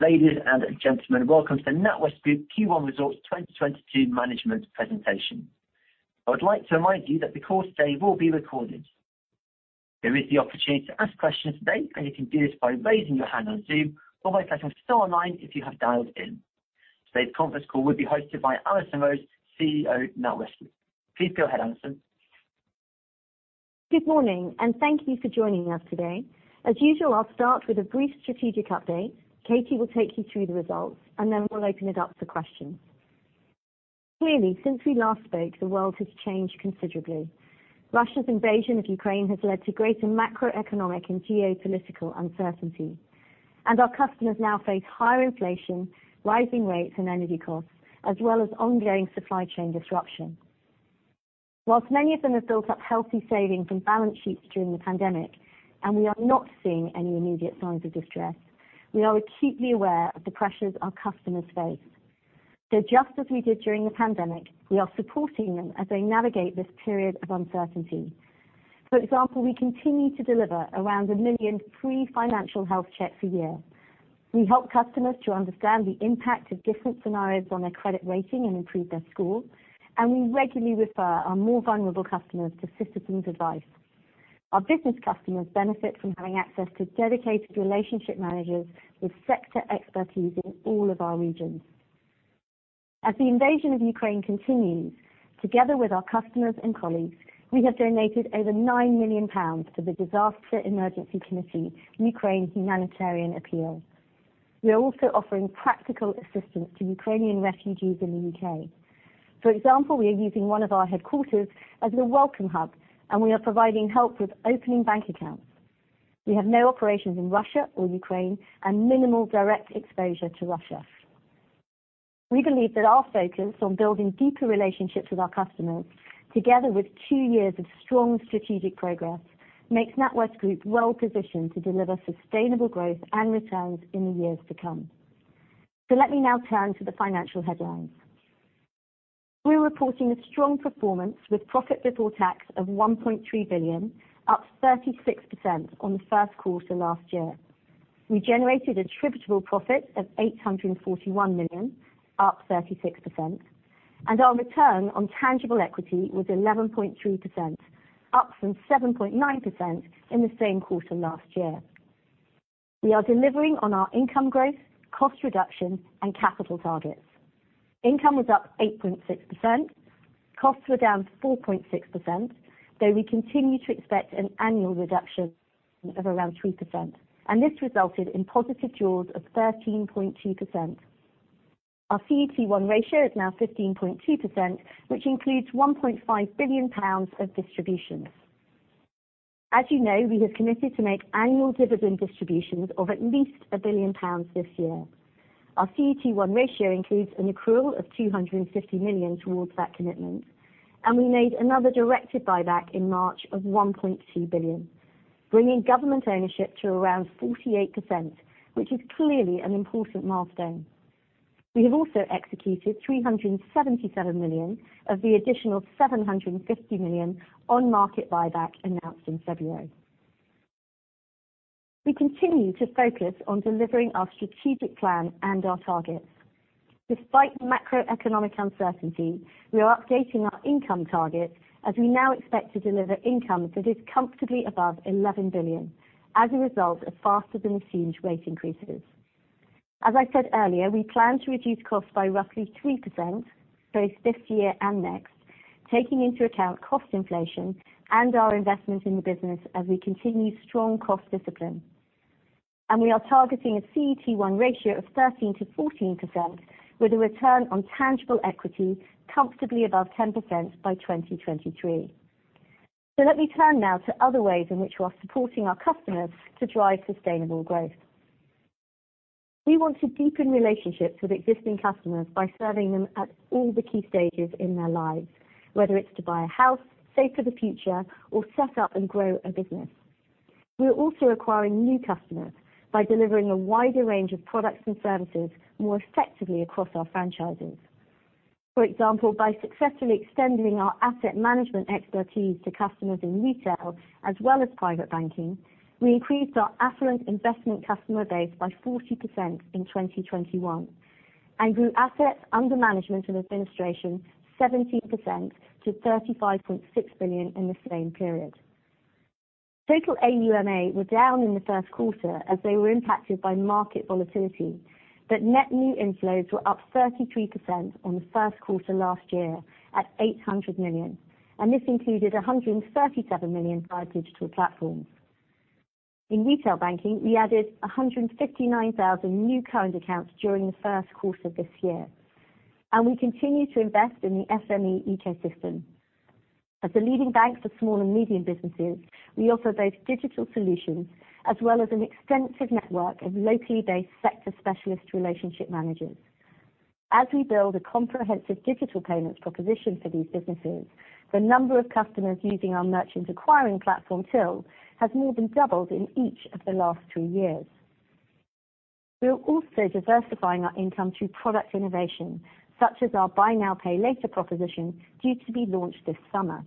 Ladies and gentlemen, welcome to the NatWest Group Q1 results 2022 management presentation. I would like to remind you that the call today will be recorded. There is the opportunity to ask questions today, and you can do this by raising your hand on Zoom or by pressing star-nine if you have dialed in. Today's conference call will be hosted by Alison Rose, CEO, NatWest Group. Please go ahead, Alison. Good morning, and thank you for joining us today. As usual, I'll start with a brief strategic update. Katie will take you through the results, and then we'll open it up for questions. Clearly, since we last spoke, the world has changed considerably. Russia's invasion of Ukraine has led to greater macroeconomic and geopolitical uncertainty, and our customers now face higher inflation, rising rates and energy costs, as well as ongoing supply chain disruption. While many of them have built up healthy savings and balance sheets during the pandemic, and we are not seeing any immediate signs of distress, we are acutely aware of the pressures our customers face. Just as we did during the pandemic, we are supporting them as they navigate this period of uncertainty. For example, we continue to deliver around one million free financial health checks a year. We help customers to understand the impact of different scenarios on their credit rating and improve their score, and we regularly refer our more vulnerable customers to Citizens Advice. Our business customers benefit from having access to dedicated relationship managers with sector expertise in all of our regions. As the invasion of Ukraine continues, together with our customers and colleagues, we have donated over 9 million pounds to the Disasters Emergency Committee Ukraine humanitarian appeal. We are also offering practical assistance to Ukrainian refugees in the U.K.. For example, we are using one of our headquarters as a welcome hub, and we are providing help with opening bank accounts. We have no operations in Russia or Ukraine and minimal direct exposure to Russia. We believe that our focus on building deeper relationships with our customers, together with two years of strong strategic progress, makes NatWest Group well-positioned to deliver sustainable growth and returns in the years to come. Let me now turn to the financial headlines. We're reporting a strong performance with profit before tax of 1.3 billion, up 36% on the first quarter last year. We generated attributable profit of 841 million, up 36%, and our return on tangible equity was 11.2%, up from 7.9% in the same quarter last year. We are delivering on our income growth, cost reduction, and capital targets. Income was up 8.6%. Costs were down 4.6%, though we continue to expect an annual reduction of around 3%, and this resulted in positive jaws of 13.2%. Our CET1 ratio is now 15.2%, which includes 1.5 billion pounds of distributions. As you know, we have committed to make annual dividend distributions of at least 1 billion pounds this year. Our CET1 ratio includes an accrual of 250 million towards that commitment, and we made another directed buyback in March of 1.2 billion, bringing government ownership to around 48%, which is clearly an important milestone. We have also executed 377 million of the additional 750 million on market buyback announced in February. We continue to focus on delivering our strategic plan and our targets. Despite macroeconomic uncertainty, we are updating our income target, as we now expect to deliver income that is comfortably above 11 billion as a result of faster than assumed rate increases. As I said earlier, we plan to reduce costs by roughly 3% both this year and next, taking into account cost inflation and our investment in the business as we continue strong cost discipline. We are targeting a CET1 ratio of 13%-14% with a return on tangible equity comfortably above 10% by 2023. Let me turn now to other ways in which we are supporting our customers to drive sustainable growth. We want to deepen relationships with existing customers by serving them at all the key stages in their lives, whether it's to buy a house, save for the future, or set up and grow a business. We are also acquiring new customers by delivering a wider range of products and services more effectively across our franchises. For example, by successfully extending our asset management expertise to customers in retail as well as private banking, we increased our affluent investment customer base by 40% in 2021 and grew assets under management and administration 17% to 35.6 billion in the same period. Total AUMA were down in the first quarter as they were impacted by market volatility, but net new inflows were up 33% on the first quarter last year at 800 million, and this included 137 million via digital platforms. In retail banking, we added 159,000 new current accounts during the first quarter this year, and we continue to invest in the SME ecosystem. As a leading bank for small and medium businesses, we offer both digital solutions as well as an extensive network of locally based sector specialist relationship managers. As we build a comprehensive digital payments proposition for these businesses, the number of customers using our merchant acquiring platform Tyl has more than doubled in each of the last two years. We are also diversifying our income through product innovation, such as our buy now, pay later proposition due to be launched this summer.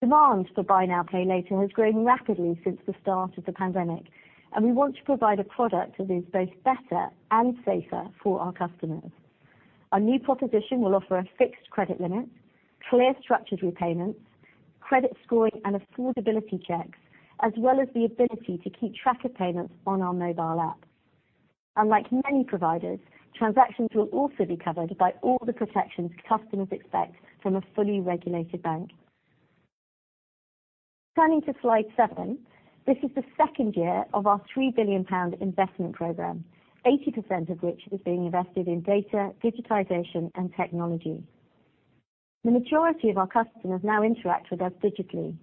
Demand for buy now, pay later has grown rapidly since the start of the pandemic, and we want to provide a product that is both better and safer for our customers. Our new proposition will offer a fixed credit limit, clear structured repayments, credit scoring and affordability checks, as well as the ability to keep track of payments on our mobile app. Unlike many providers, transactions will also be covered by all the protections customers expect from a fully regulated bank. Turning to slide seven. This is the second year of our 3 billion pound investment program, 80% of which is being invested in data, digitization and technology. The majority of our customers now interact with us digitally.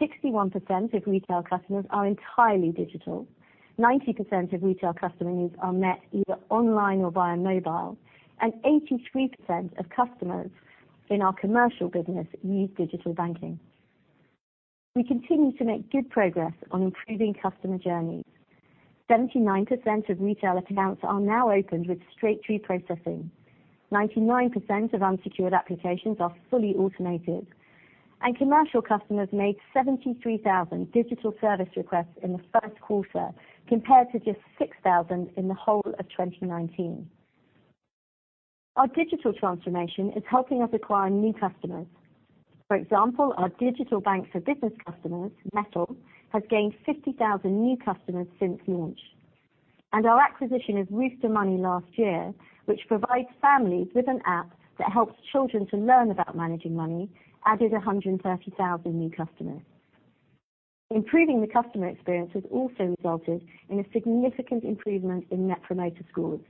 61% of retail customers are entirely digital. 90% of retail customer needs are met either online or via mobile, and 83% of customers in our commercial business use digital banking. We continue to make good progress on improving customer journeys. 79% of retail accounts are now opened with straight-through processing. 99% of unsecured applications are fully automated. Commercial customers made 73,000 digital service requests in the first quarter, compared to just 6,000 in the whole of 2019. Our digital transformation is helping us acquire new customers. For example, our digital bank for business customers, Mettle, has gained 50,000 new customers since launch. Our acquisition of Rooster Money last year, which provides families with an app that helps children to learn about managing money, added 130,000 new customers. Improving the customer experience has also resulted in a significant improvement in net promoter scores,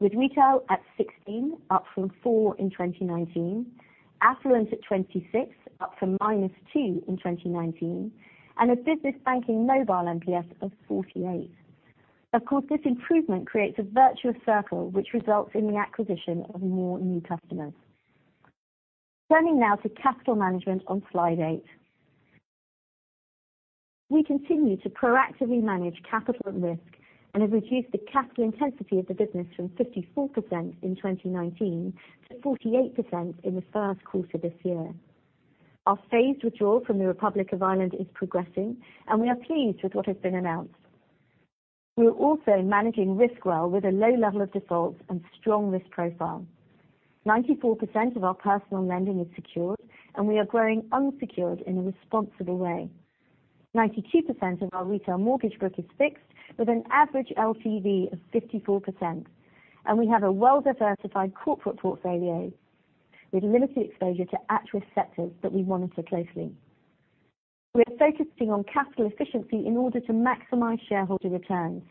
with retail at 16, up from four in 2019. Affluent at 26, up from -2 in 2019. A business banking mobile NPS of 48. Of course, this improvement creates a virtuous circle, which results in the acquisition of more new customers. Turning now to capital management on slide eight. We continue to proactively manage capital and risk and have reduced the capital intensity of the business from 54% in 2019 to 48% in the first quarter this year. Our phased withdrawal from the Republic of Ireland is progressing, and we are pleased with what has been announced. We are also managing risk well with a low level of defaults and strong risk profile. 94% of our personal lending is secured, and we are growing unsecured in a responsible way. 92% of our retail mortgage book is fixed with an average LTV of 54%. We have a well-diversified corporate portfolio with limited exposure to at-risk sectors that we monitor closely. We are focusing on capital efficiency in order to maximize shareholder returns.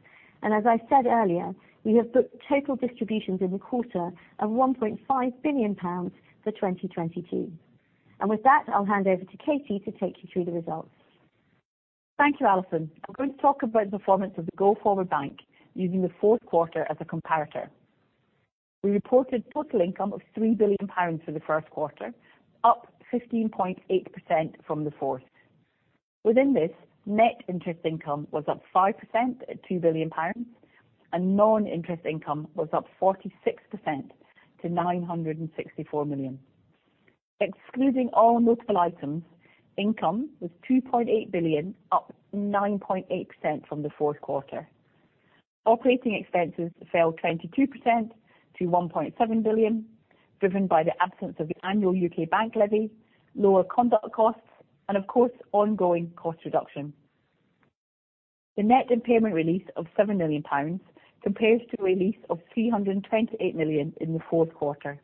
As I said earlier, we have booked total distributions in the quarter of 1.5 billion pounds for 2022. With that, I'll hand over to Katie to take you through the results. Thank you, Alison. I'm going to talk about the performance of the go-forward bank using the fourth quarter as a comparator. We reported total income of 3 billion pounds for the first quarter, up 15.8% from the fourth. Within this, net interest income was up 5% at 2 billion pounds, and non-interest income was up 46% to 964 million. Excluding all notable items, income was 2.8 billion, up 9.8% from the fourth quarter. Operating expenses fell 22% to 1.7 billion, driven by the absence of the annual U.K. bank levy, lower conduct costs, and of course, ongoing cost reduction. The net impairment release of 7 million pounds compares to a release of 328 million in the fourth quarter.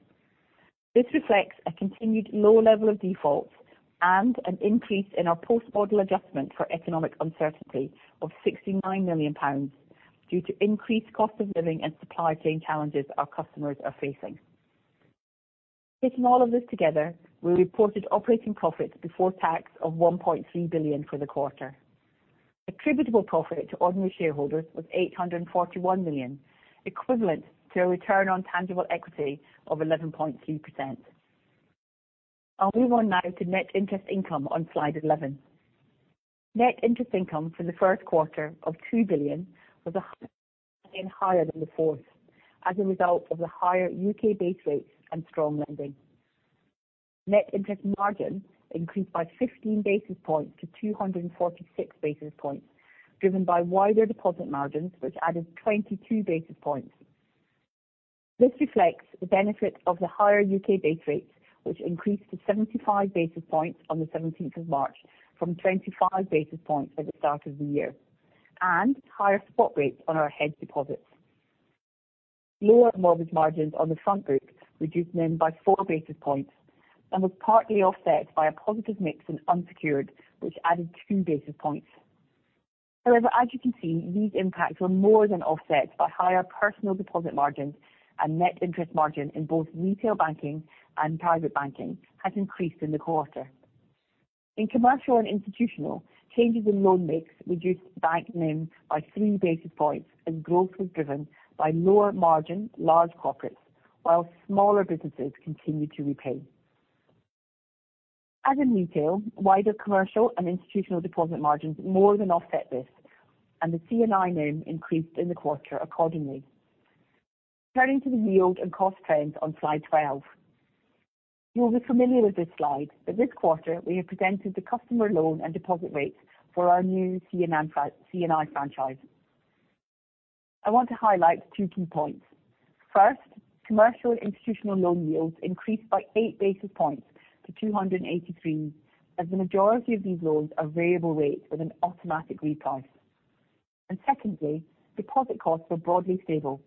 This reflects a continued low level of defaults and an increase in our post-model adjustment for economic uncertainty of 69 million pounds due to increased cost of living and supply chain challenges our customers are facing. Taking all of this together, we reported operating profits before tax of 1.3 billion for the quarter. Attributable profit to ordinary shareholders was 841 million, equivalent to a return on tangible equity of 11.3%. I'll move on now to net interest income on slide 11. Net interest income for the first quarter of 2 billion was higher than the fourth as a result of the higher U.K. base rates and strong lending. Net interest margin increased by 15 basis points to 246 basis points, driven by wider deposit margins, which added 22 basis points. This reflects the benefit of the higher U.K. base rates, which increased to 75 basis points on the seventeenth of March from 25 basis points at the start of the year, and higher spot rates on our hedge deposits. Lower mortgage margins on the front book reduced NIM by 4 basis points and was partly offset by a positive mix in unsecured, which added 2 basis points. However, as you can see, these impacts were more than offset by higher personal deposit margins and net interest margin in both retail banking and private banking has increased in the quarter. In commercial and institutional, changes in loan mix reduced bank NIM by 3 basis points, and growth was driven by lower margin large corporates, while smaller businesses continued to repay. As in retail, wider commercial and institutional deposit margins more than offset this, and the C&I NIM increased in the quarter accordingly. Turning to the yield and cost trends on slide 12. You'll be familiar with this slide, but this quarter we have presented the customer loan and deposit rates for our new C&I franchise. I want to highlight two key points. First, commercial institutional loan yields increased by eight basis points to 283, as the majority of these loans are variable rates with an automatic reprice. Secondly, deposit costs were broadly stable.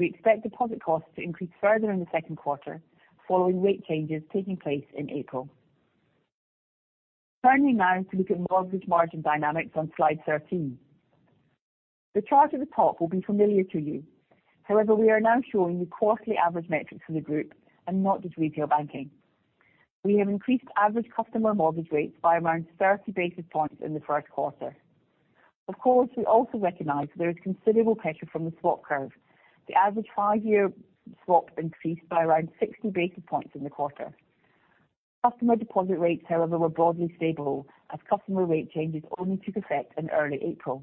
We expect deposit costs to increase further in the second quarter, following rate changes taking place in April. Turning now to look at mortgage margin dynamics on slide 13. The chart at the top will be familiar to you. However, we are now showing you quarterly average metrics for the group and not just retail banking. We have increased average customer mortgage rates by around 30 basis points in the first quarter. Of course, we also recognize there is considerable pressure from the swap curve. The average five-year swap increased by around 60 basis points in the quarter. Customer deposit rates, however, were broadly stable as customer rate changes only took effect in early April.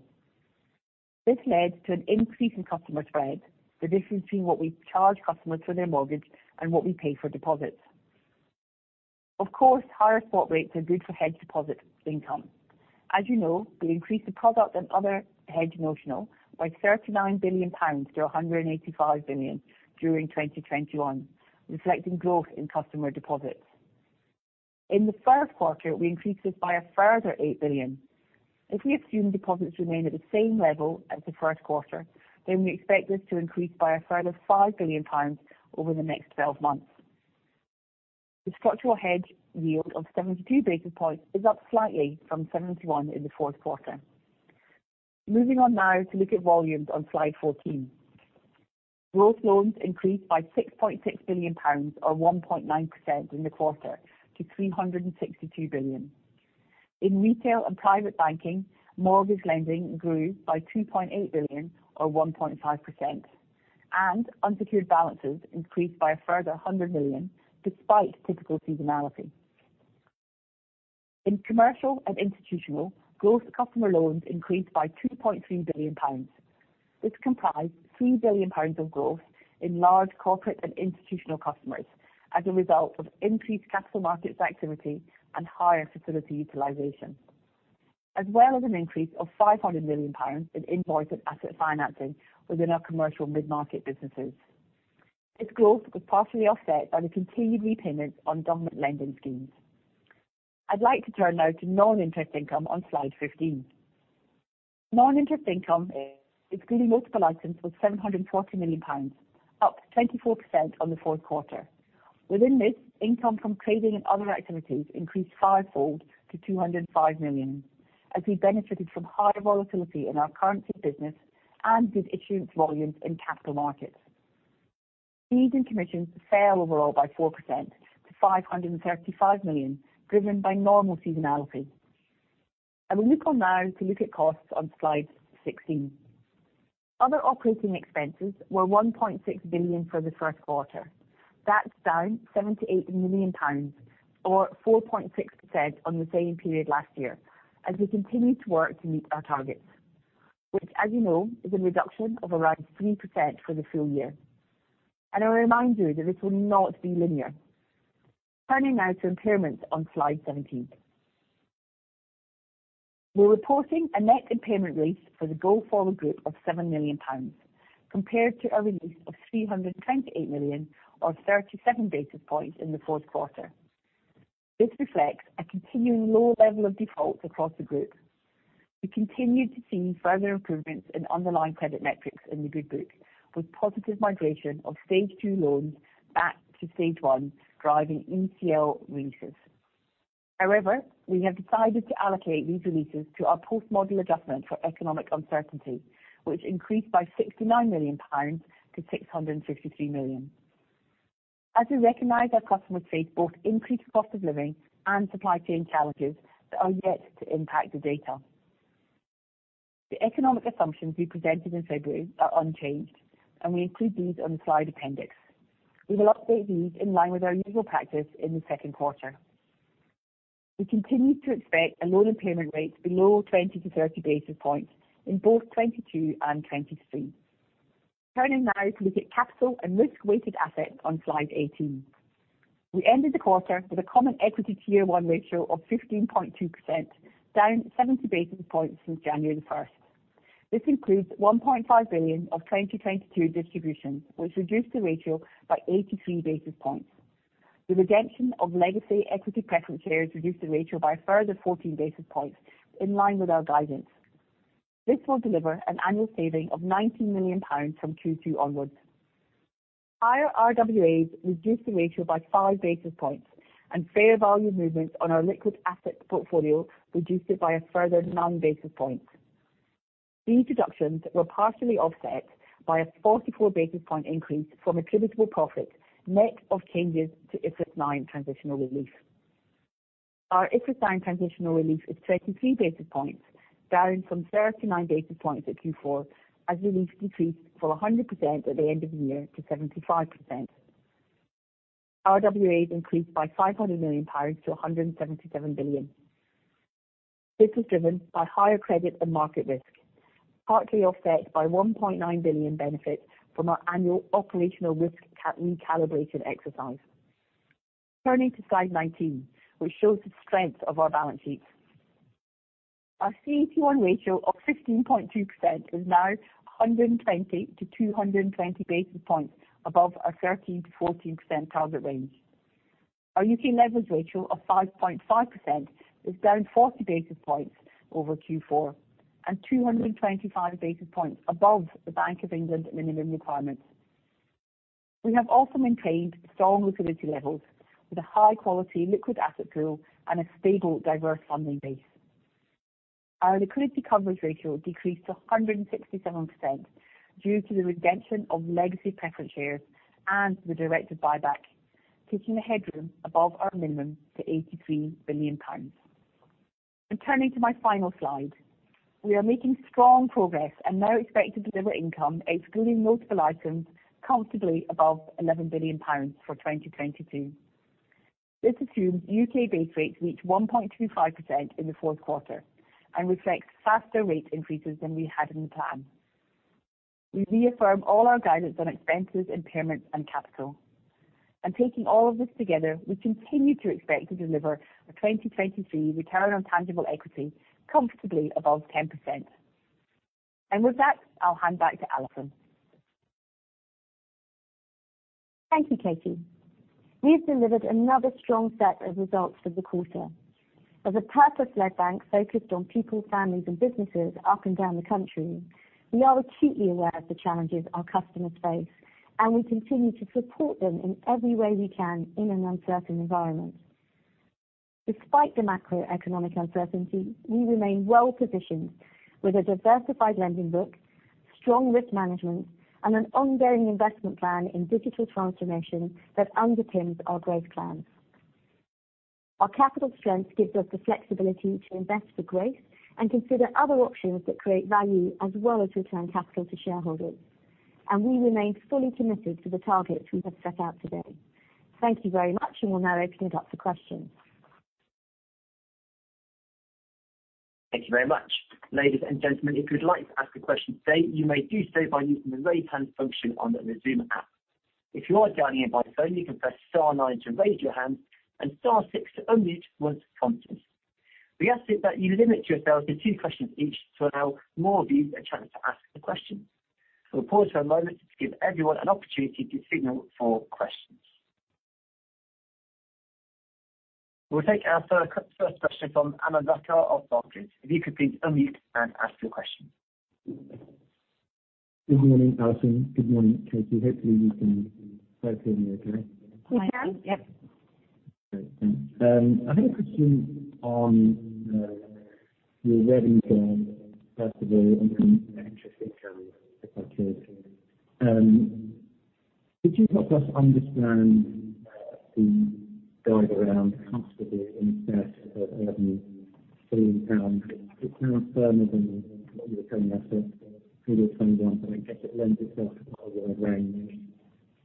This led to an increase in customer spread, the difference between what we charge customers for their mortgage and what we pay for deposits. Of course, higher swap rates are good for hedge deposit income. As you know, we increased the product and other hedge notional by 39 billion pounds to 185 billion during 2021, reflecting growth in customer deposits. In the first quarter, we increased this by a further 8 billion. If we assume deposits remain at the same level as the first quarter, then we expect this to increase by a further 5 billion over the next twelve months. The structural hedge yield of 72 basis points is up slightly from 71 in the fourth quarter. Moving on now to look at volumes on slide 14. Gross loans increased by 6.6 billion pounds or 1.9% in the quarter to 362 billion. In retail and private banking, mortgage lending grew by 2.8 billion or 1.5%, and unsecured balances increased by a further 100 million despite typical seasonality. In commercial and institutional, gross customer loans increased by 2.3 billion pounds. This comprised 3 billion pounds of growth in large corporate and institutional customers as a result of increased capital markets activity and higher facility utilization. As well as an increase of 500 million pounds in invoice and asset financing within our commercial mid-market businesses. This growth was partially offset by the continued repayments on government lending schemes. I'd like to turn now to non-interest income on slide 15. Non-interest income, excluding multiple items, was 740 million pounds, up 24% on the fourth quarter. Within this, income from trading and other activities increased five-fold to 205 million. As we benefited from higher volatility in our currency business and good issuance volumes in capital markets. Fees and commissions fell overall by 4% to 535 million, driven by normal seasonality. I will move on now to look at costs on slide 16. Other operating expenses were 1.6 billion for the first quarter. That's down 78 million pounds or 4.6% on the same period last year, as we continue to work to meet our targets. Which as you know, is a reduction of around 3% for the full-year. I remind you that this will not be linear. Turning now to impairments on slide 17. We're reporting a net impairment release for the go-forward group of 7 million pounds, compared to a release of 328 million or 37 basis points in the fourth quarter. This reflects a continuing low level of defaults across the group. We continue to see further improvements in underlying credit metrics in the good book, with positive migration of stage two loans back to stage one, driving NCL releases. However, we have decided to allocate these releases to our post-model adjustment for economic uncertainty, which increased by 69 million pounds to 663 million. As we recognize our customers face both increased cost of living and supply chain challenges that are yet to impact the data. The economic assumptions we presented in February are unchanged, and we include these on the slide appendix. We will update these in line with our usual practice in the second quarter. We continue to expect a loan impairment rate below 20-30 basis points in both 2022 and 2023. Turning now to look at capital and risk weighted assets on slide 18. We ended the quarter with a common equity tier one ratio of 15.2%, down 70 basis points since January 1. This includes 1.5 billion of 2022 distribution, which reduced the ratio by 83 basis points. The redemption of legacy equity preference shares reduced the ratio by a further 14 basis points, in line with our guidance. This will deliver an annual saving of 19 million pounds from Q2 onwards. Higher RWAs reduced the ratio by 5 basis points, and fair value movements on our liquid asset portfolio reduced it by a further 9 basis points. These deductions were partially offset by a 44 basis point increase from attributable profit net of changes to IFRS 9 transitional relief. Our IFRS 9 transitional relief is 33 basis points, down from 39 basis points at Q4, as relief decreased from 100% at the end of the year to 75%. RWA has increased by 500 million pounds to 177 billion. This was driven by higher credit and market risk, partly offset by 1.9 billion benefit from our annual operational risk recalibrated exercise. Turning to slide 19, which shows the strength of our balance sheets. Our CET1 ratio of 15.2% is now 120-220 basis points above our 13%-14% target range. Our U.K. leverage ratio of 5.5% is down 40 basis points over Q4 and 225 basis points above the Bank of England minimum requirements. We have also maintained strong liquidity levels with a high quality liquid asset pool and a stable diverse funding base. Our liquidity coverage ratio decreased to 167% due to the redemption of legacy preference shares and the directed buyback, keeping the headroom above our minimum to 83 billion pounds. Turning to my final slide. We are making strong progress and now expect to deliver income excluding multiple items comfortably above 11 billion pounds for 2022. This assumes U.K. base rates reach 1.25% in the fourth quarter and reflects faster rate increases than we had in the plan. We reaffirm all our guidance on expenses, impairments, and capital. Taking all of this together, we continue to expect to deliver a 2023 return on tangible equity comfortably above 10%. With that, I'll hand back to Alison. Thank you, Katie. We've delivered another strong set of results for the quarter. As a purpose-led bank focused on people, families, and businesses up and down the country, we are acutely aware of the challenges our customers face, and we continue to support them in every way we can in an uncertain environment. Despite the macroeconomic uncertainty, we remain well-positioned with a diversified lending book, strong risk management, and an ongoing investment plan in digital transformation that underpins our growth plans. Our capital strength gives us the flexibility to invest for growth and consider other options that create value as well as return capital to shareholders. We remain fully committed to the targets we have set out today. Thank you very much, and we'll now open it up for questions. Thank you very much. Ladies and gentlemen, if you'd like to ask a question today, you may do so by using the Raise Hand function on the Zoom app. If you are dialing in by phone, you can press star nine to raise your hand and star six to unmute once prompted. We ask that you limit yourself to two questions each to allow more of you a chance to ask a question. We'll pause for a moment to give everyone an opportunity to signal for questions. We'll take our first question from Aman Rakkar of Barclays. If you could please unmute and ask your question. Good morning, Alison. Good morning, Katie. Hopefully you can both hear me okay. We can. Yes. Great. Thanks. I have a question on your revenue guide, first of all, on interest income, if I could. Could you help us understand the guide around comfortably in excess of 11 billion pounds? It sounds firmer than what you were saying last year for 2021, but I get it lends itself to a broader range.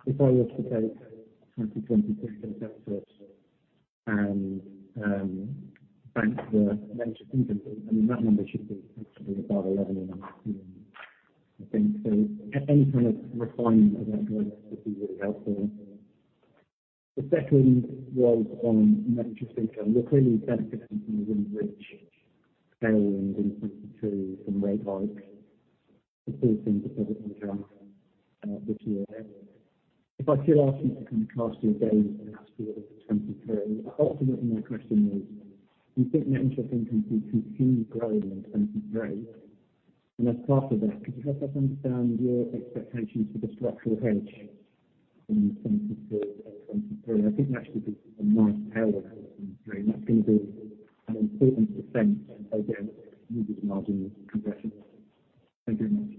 If I were to take the 2022 center and bank the net interest income, I mean, that number should be comfortably above 11 in that scheme, I think. Any kind of refinement of that guidance would be really helpful. The second was on net interest income. You're clearly benefiting from the really rich scaling in 2022 from rate hikes. It's a good thing to benefit from this year. If I could ask you to kind of cast your gaze and ask you what it is for 2023. Ultimately, my question is, do you think net interest income can continue growing at a decent rate? As part of that, could you help us understand your expectations for the structural hedge in 2022 and 2023? I think that should be a nice tailwind going through, and that's going to be an important defense against revenue margin compression. Thank you very much.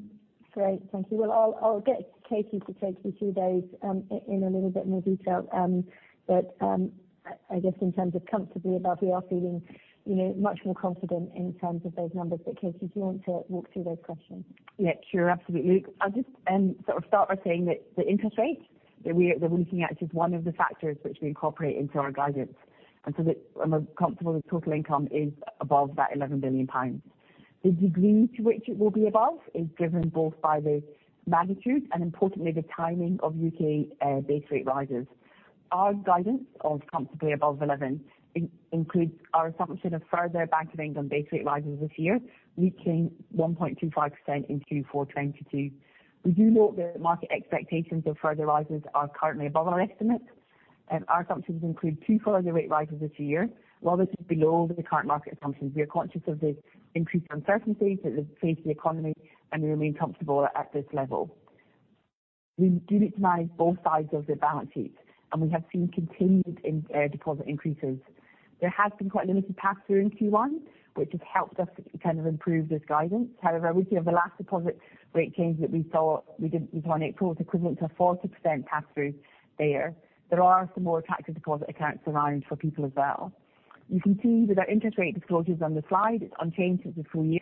Great. Thank you. Well, I'll get Katie to take you through those in a little bit more detail. I guess in terms of comfortably above, we are feeling, you know, much more confident in terms of those numbers. Katie, do you want to walk through those questions? Yeah, sure. Absolutely. I'll just, sort of start by saying that the interest rates that we're looking at is one of the factors which we incorporate into our guidance. that I'm comfortable the total income is above that 11 billion pounds. The degree to which it will be above is driven both by the magnitude and importantly, the timing of U.K. base rate rises. Our guidance of comfortably above 11 billion includes our assumption of further Bank of England base rate rises this year, reaching 1.25% in Q4 2022. We do note that market expectations of further rises are currently above our estimates. our assumptions include two further rate rises this year. While this is below the current market assumptions, we are conscious of the increased uncertainties that face the economy, and we remain comfortable at this level. We do recognize both sides of the balance sheet, and we have seen continued deposit increases. There has been quite a limited pass-through in Q1, which has helped us kind of improve this guidance. However, with you know, the last deposit rate change that we saw, we saw an equivalent to 40% pass-through there. There are some more attractive deposit accounts around for people as well. You can see with our interest rate disclosures on the slide, it's unchanged for the full-year.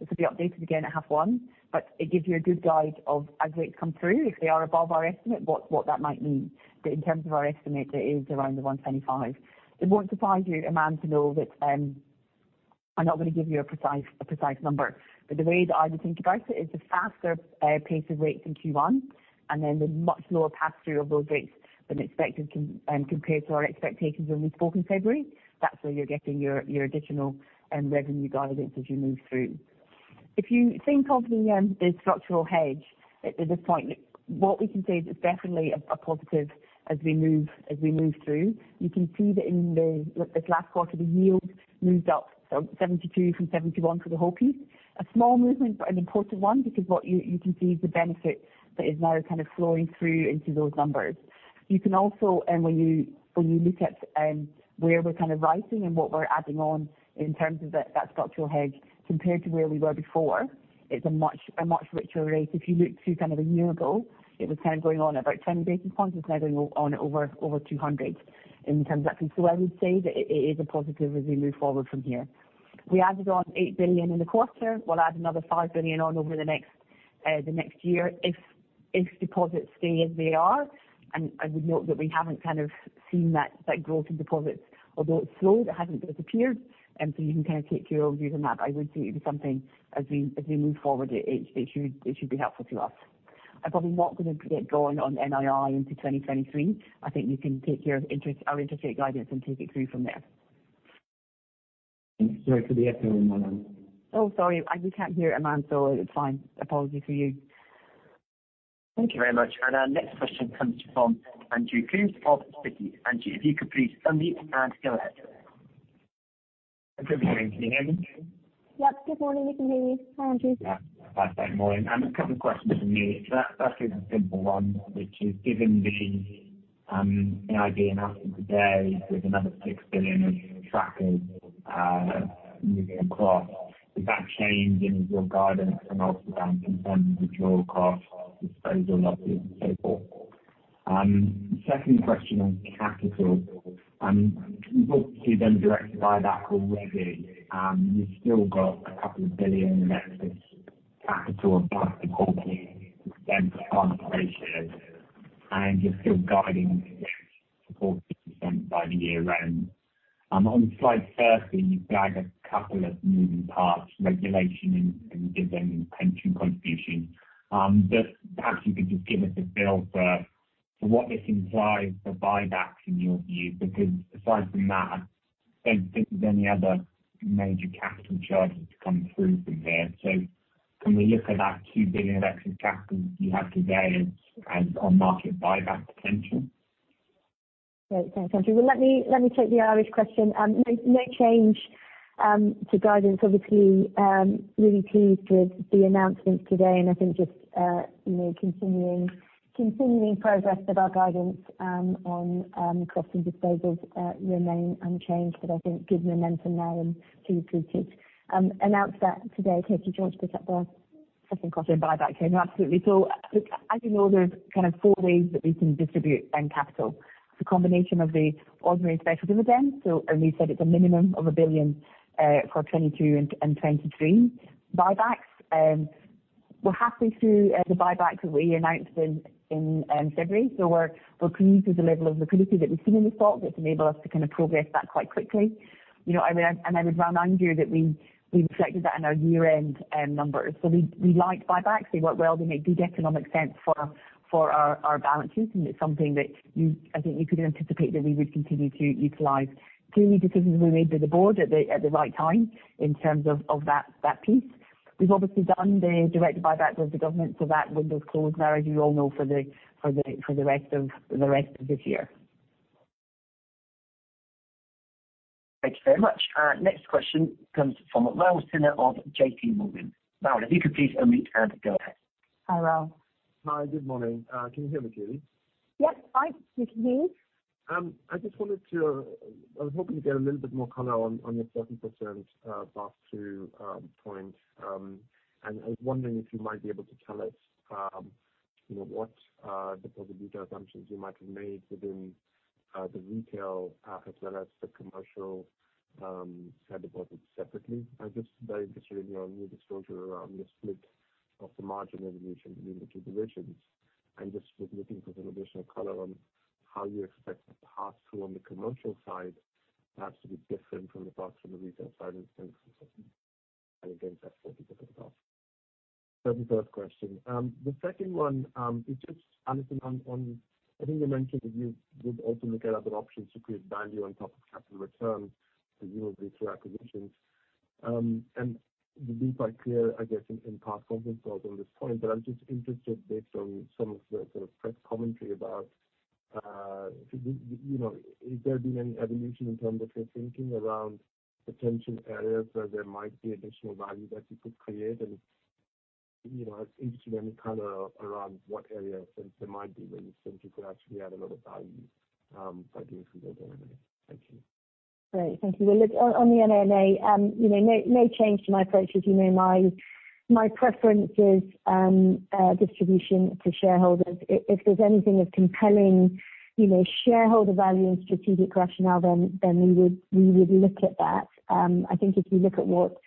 This will be updated again at half one, but it gives you a good guide of as rates come through, if they are above our estimate, what that might mean. But in terms of our estimate, it is around the 125. It won't surprise you, Aman, to know that I'm not gonna give you a precise number. The way that I would think about it is the faster pace of rates in Q1, and then the much lower pass-through of those rates than expected compared to our expectations when we spoke in February. That's where you're getting your additional revenue guidance as you move through. If you think of the structural hedge at this point, what we can say is it's definitely a positive as we move through. You can see that in this last quarter, the yield moved up from 71 to 72 for the whole piece. A small movement, but an important one because what you can see is the benefit that is now kind of flowing through into those numbers. When you look at where we're kind of rising and what we're adding on in terms of that structural hedge compared to where we were before, it's a much richer rate. If you look to kind of a year ago, it was kind of going on about 10 basis points. It's now going on over 200 in terms of that. So I would say that it is a positive as we move forward from here. We added on 8 billion in the quarter. We'll add another 5 billion on over the next year if deposits stay as they are. I would note that we haven't kind of seen that growth in deposits. Although it's slowed, it hasn't disappeared, so you can kind of take your own view on that. I would say it is something as we move forward. It should be helpful to us. I'm probably not gonna get going on NII into 2023. I think you can take care of our interest rate guidance and take it through from there. Sorry for the echo. Oh, sorry. We can't hear, Aman, so it's fine. Apology for you. Thank you very much. Our next question comes from Andrew Coombs of Citi. Andrew, if you could please unmute and go ahead. Good morning. Can you hear me? Yep. Good morning. We can hear you, Andrew. Yeah. Thanks for that. Morning. A couple questions from me. That first is a simple one, which is given the NII announcement today with another 6 billion of trackers moving across, is that changing your guidance and also around potential withdrawal costs, disposal losses and so forth? Second question on capital. You've obviously been directed by that already. You've still got a couple of billion in excess capital above the CET1 ratio. You're still guiding 40% by the year end. On slide 30, you flag a couple of moving parts, regulation and dividend pension contributions. Just perhaps you could give us a feel for what this implies for buybacks in your view. Because aside from that, I don't think there's any other major capital charges to come through from here. Can we look at that 2 billion of excess capital you have today as on-market buyback potential? Great. Thanks, Andrew. Well, let me take the Irish question. No change to guidance. Obviously, really pleased with the announcement today. I think just you know continuing progress with our guidance on crossing disposals remain unchanged. I think given the momentum now and the repeated announcement today. Katie, do you want to pick up the second question on buyback? Yeah, no, absolutely. As you know, there is kind of four ways that we can distribute capital. It is a combination of the ordinary and special dividend, and we said it is a minimum of 1 billion for 2022 and 2023. Buybacks, we are happy with the buybacks that we announced in February. We are pleased with the level of liquidity that we have seen in the stock. That's enabled us to kind of progress that quite quickly. You know, I mean, I would remind you that we reflected that in our year-end numbers. We liked buybacks. They work well. They make good economic sense for our balances. It's something that I think you could anticipate that we would continue to utilize. Clearly decisions will be made by the board at the right time in terms of that piece. We've obviously done the direct buyback with the government, so that window's closed now, as you all know, for the rest of this year. Thank you very much. Next question comes from Rahul Sinha of JPMorgan. Rahul, if you could please unmute and go ahead. Hi, Rahul. Hi. Good morning. Can you hear me, Katie? Yes, we can hear you. I was hoping to get a little bit more color on your 30% pass-through point. I was wondering if you might be able to tell us, you know, what retail deposit assumptions you might have made within the retail as well as the commercial set of deposits separately. I'm just very interested in your new disclosure around the split of the margin evolution in individual divisions. Just was looking for some additional color on how you expect the pass-through on the commercial side to perhaps be different from the pass-through on the retail side in terms of certain and again, that 30% pass-through. The first question. The second one is just honestly on, I think you mentioned that you would also look at other options to create value on top of capital returns for you and retail acquisitions. You've been quite clear, I guess, in past conference calls on this point, but I'm just interested based on some of the sort of press commentary about, you know, has there been any evolution in terms of your thinking around potential areas where there might be additional value that you could create? You know, I'd be interested in any color around what areas since there might be where you think you could actually add a lot of value by doing some of that M&A. Thank you. Great. Thank you. Well, look, on the M&A, you know, no change to my approach. As you know, my preference is distribution to shareholders. If there's anything as compelling, you know, shareholder value and strategic rationale, then we would look at that. I think if you look at what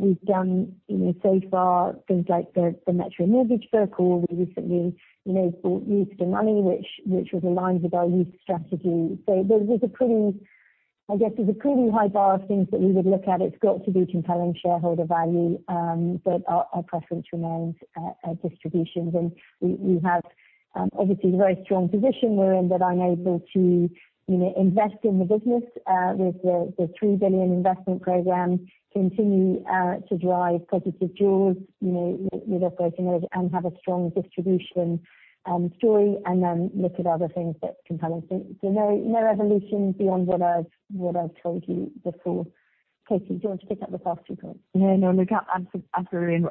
we've done, you know, so far, things like the Metro Bank mortgage portfolio. We recently, you know, bought Rooster Money which was aligned with our youth strategy. There, there's a pretty, I guess there's a pretty high bar of things that we would look at. It's got to be compelling shareholder value, but our preference remains at distributions. We have obviously a very strong position we're in that I'm able to, you know, invest in the business with the 3 billion investment program, continue to drive positive jaws, you know, with operating those and have a strong distribution story, and then look at other things that's compelling. No evolution beyond what I've told you before. Katie, do you want to pick up the last few points? No, no. Look, absolutely,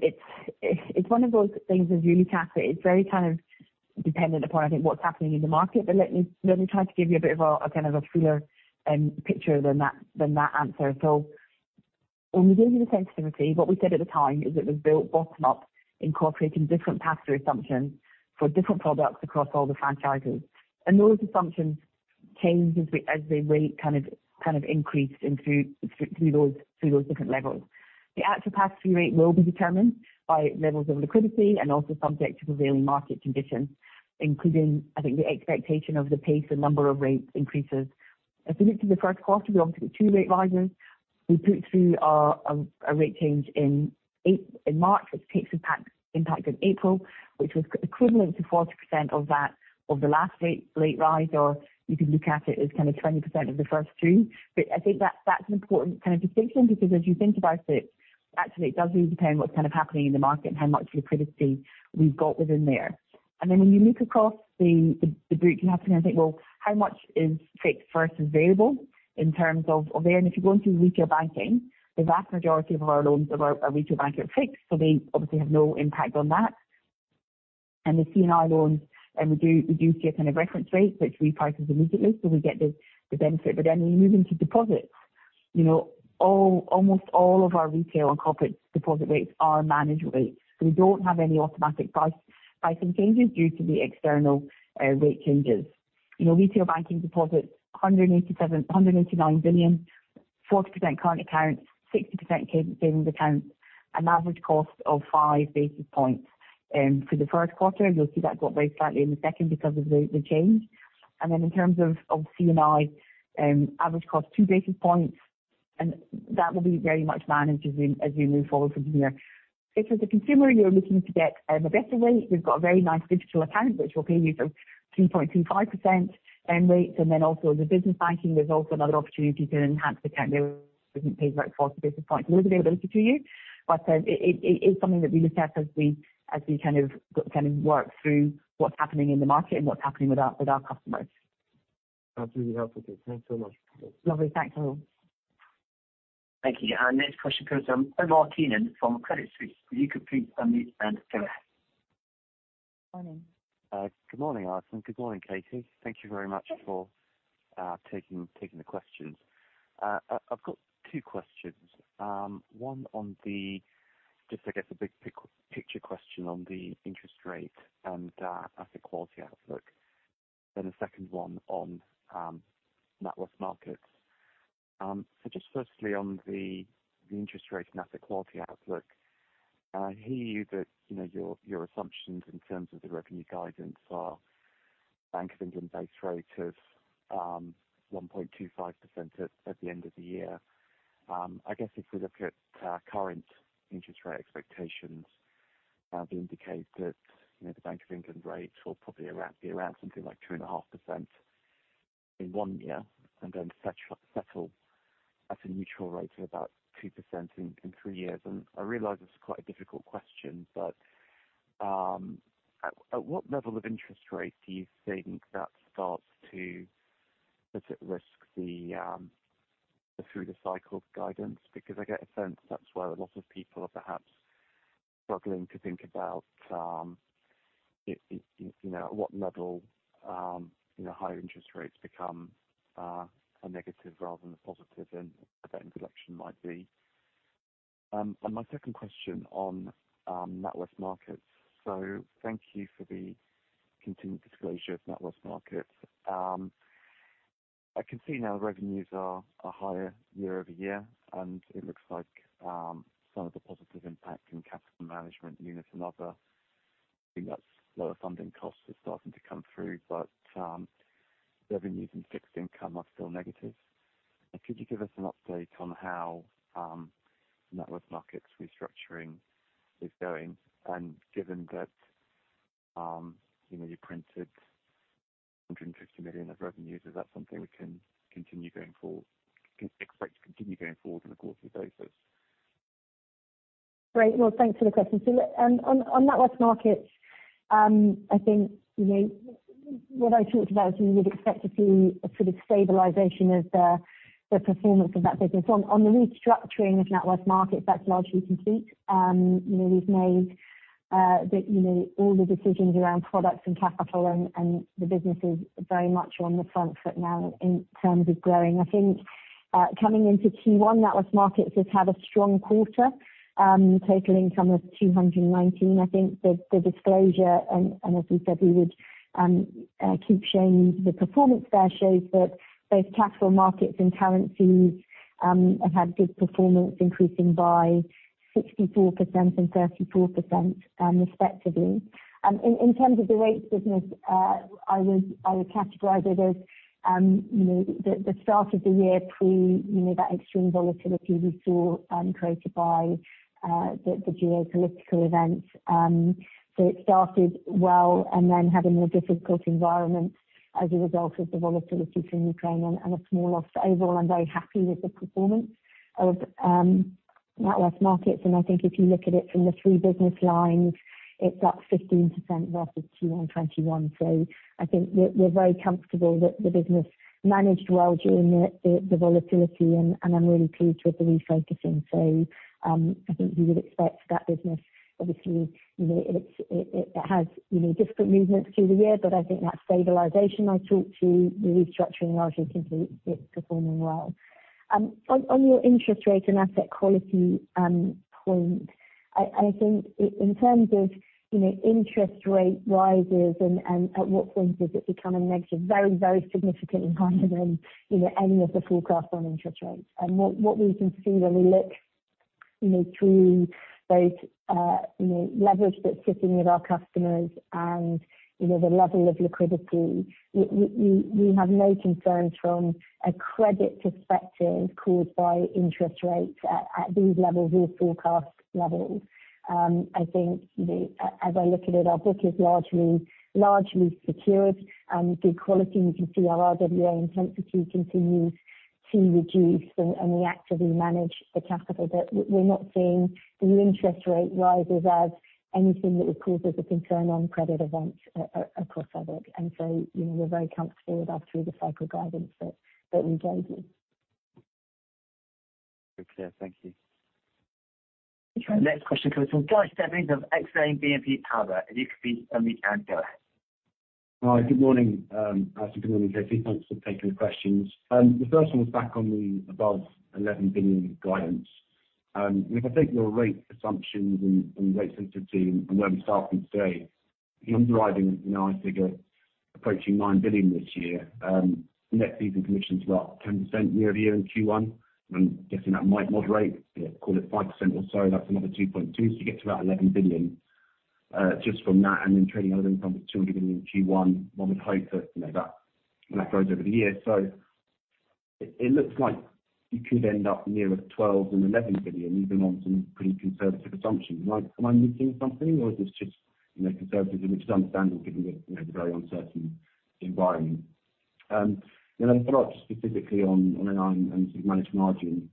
it's one of those things with real capital. It's very kind of dependent upon, I think, what's happening in the market. Let me try to give you a bit of a kind of a fuller picture than that answer. When we gave you the sensitivity, what we said at the time is it was built bottom up, incorporating different pass-through assumptions for different products across all the franchises. Those assumptions changed as the rate kind of increased and through those different levels. The actual pass-through rate will be determined by levels of liquidity and also subject to prevailing market conditions, including, I think, the expectation of the pace and number of rate increases. As we look to the first quarter, we obviously had two rate rises. We put through our rate change in March, which takes effect in April, which was equivalent to 40% of that of the last rate rise, or you could look at it as kinda 20% of the first two. I think that's an important kind of distinction because as you think about it, actually it does really depend what's kind of happening in the market and how much liquidity we've got within there. When you look across the group and then think, well, how much is fixed versus variable in terms of earnings. If you go into retail banking, the vast majority of our loans in retail banking are fixed, so they obviously have no impact on that. The C&I loans, we do see a kind of reference rate which reprices immediately, so we get the benefit. When you move into deposits, you know, almost all of our retail and corporate deposit rates are managed rates. We don't have any automatic pricing changes due to the external rate changes. You know, retail banking deposits 189 billion, 40% current accounts, 60% savings accounts, an average cost of five basis points. For the first quarter, you'll see that drop very slightly in the second because of the change. In terms of C&I, average cost, two basis points, and that will be very much managed as we move forward from here. If, as a consumer, you're looking to get a better rate, we've got a very nice digital account which will pay you 2.25% interest rates. Then also the business banking, there's also another opportunity to enhance account there, different paid rate, 40 basis points. It wouldn't be available to you. It is something that we look at as we kind of work through what's happening in the market and what's happening with our customers. Absolutely. Helpful. Thanks so much. Lovely. Thanks, Rahul. Thank you. Our next question comes from Omar Keenan from Credit Suisse. You can please unmute and go ahead. Morning. Good morning, Alison. Good morning, Katie. Thank you very much for taking the questions. I've got two questions. One on just, I guess, the big picture question on the interest rate and asset quality outlook, then a second one on NatWest Markets. Just firstly on the interest rate and asset quality outlook. I hear you that, you know, your assumptions in terms of the revenue guidance are Bank of England base rate of 1.25% at the end of the year. I guess if we look at current interest rate expectations, they indicate that, you know, the Bank of England rates will probably be around something like 2.5% in one year and then settle at a neutral rate of about 2% in three years. I realize it's quite a difficult question, but at what level of interest rate do you think that starts to put at risk the through-the-cycle guidance? Because I get a sense that's where a lot of people are perhaps struggling to think about it, you know, at what level, you know, high interest rates become a negative rather than a positive, and that inflection might be. And my second question on NatWest Markets. Thank you for the continued disclosure of NatWest Markets. I can see now revenues are higher year-over-year, and it looks like some of the positive impact in capital management units and other, I think that's lower funding costs are starting to come through. Revenues in fixed income are still negative. Could you give us an update on how NatWest Markets restructuring is going? And given that, you know, you printed 150 million of revenues, is that something we can expect to continue going forward on a quarterly basis? Great. Well, thanks for the question. On NatWest Markets, I think, you know, what I talked about is we would expect to see a sort of stabilization of the performance of that business. On the restructuring of NatWest Markets, that's largely complete. You know, we've made all the decisions around products and capital and the business is very much on the front foot now in terms of growing. I think coming into Q1, NatWest Markets has had a strong quarter, totaling some of 219. I think the disclosure and, as we said, we would keep showing the performance there shows that both capital markets and currency have had good performance increasing by 64% and 34%, respectively. In terms of the rates business, I would categorize it as, you know, the start of the year pre, you know, that extreme volatility we saw, created by the geopolitical events. It started well and then had a more difficult environment as a result of the volatility between Ukraine and a small loss. Overall, I'm very happy with the performance of NatWest Markets. I think if you look at it from the three business lines, it's up 15% versus Q1 2021. I think we're very comfortable that the business managed well during the volatility, and I'm really pleased with the refocusing. I think you would expect that business, obviously, you know, it has, you know, different movements through the year. I think that stabilization I talked to, the restructuring is largely complete. It's performing well. On your interest rate and asset quality point, I think in terms of, you know, interest rate rises and at what point does it become a negative, very, very significantly higher than, you know, any of the forecasts on interest rates. And what we can see when we look, you know, through those, you know, leverage that's sitting with our customers and, you know, the level of liquidity, we have no concerns from a credit perspective caused by interest rates at these levels or forecast levels. I think as I look at it, our book is largely secured, good quality. We can see our RWA intensity continues to reduce and we actively manage the capital that we're not seeing the interest rate rises as anything that would cause us a concern on credit events across our book. You know, we're very comfortable with our through the cycle guidance that we gave you. Very clear. Thank you. Okay. Next question comes from Guy Stebbings of Exane BNP Paribas. If you could please unmute and go ahead. Hi. Good morning. Good morning, Katie. Thanks for taking the questions. The first one was back on the above 11 billion guidance. If I take your rate assumptions and rate sensitivity and where we start from today, you're deriving now, I figure, approaching 9 billion this year. Net fees and commissions are up 10% year-over-year in Q1. I'm guessing that might moderate. Call it 5% or so, that's another 2.2. You get to about 11 billion, just from that. Trading other income is 2 billion in Q1. One would hope that, you know, that grows over the year. It looks like you could end up nearer 12 billion than 11 billion even on some pretty conservative assumptions. Am I missing something or is this just you know conservatism which is understandable given the you know the very uncertain environment? I follow up specifically on managed margin.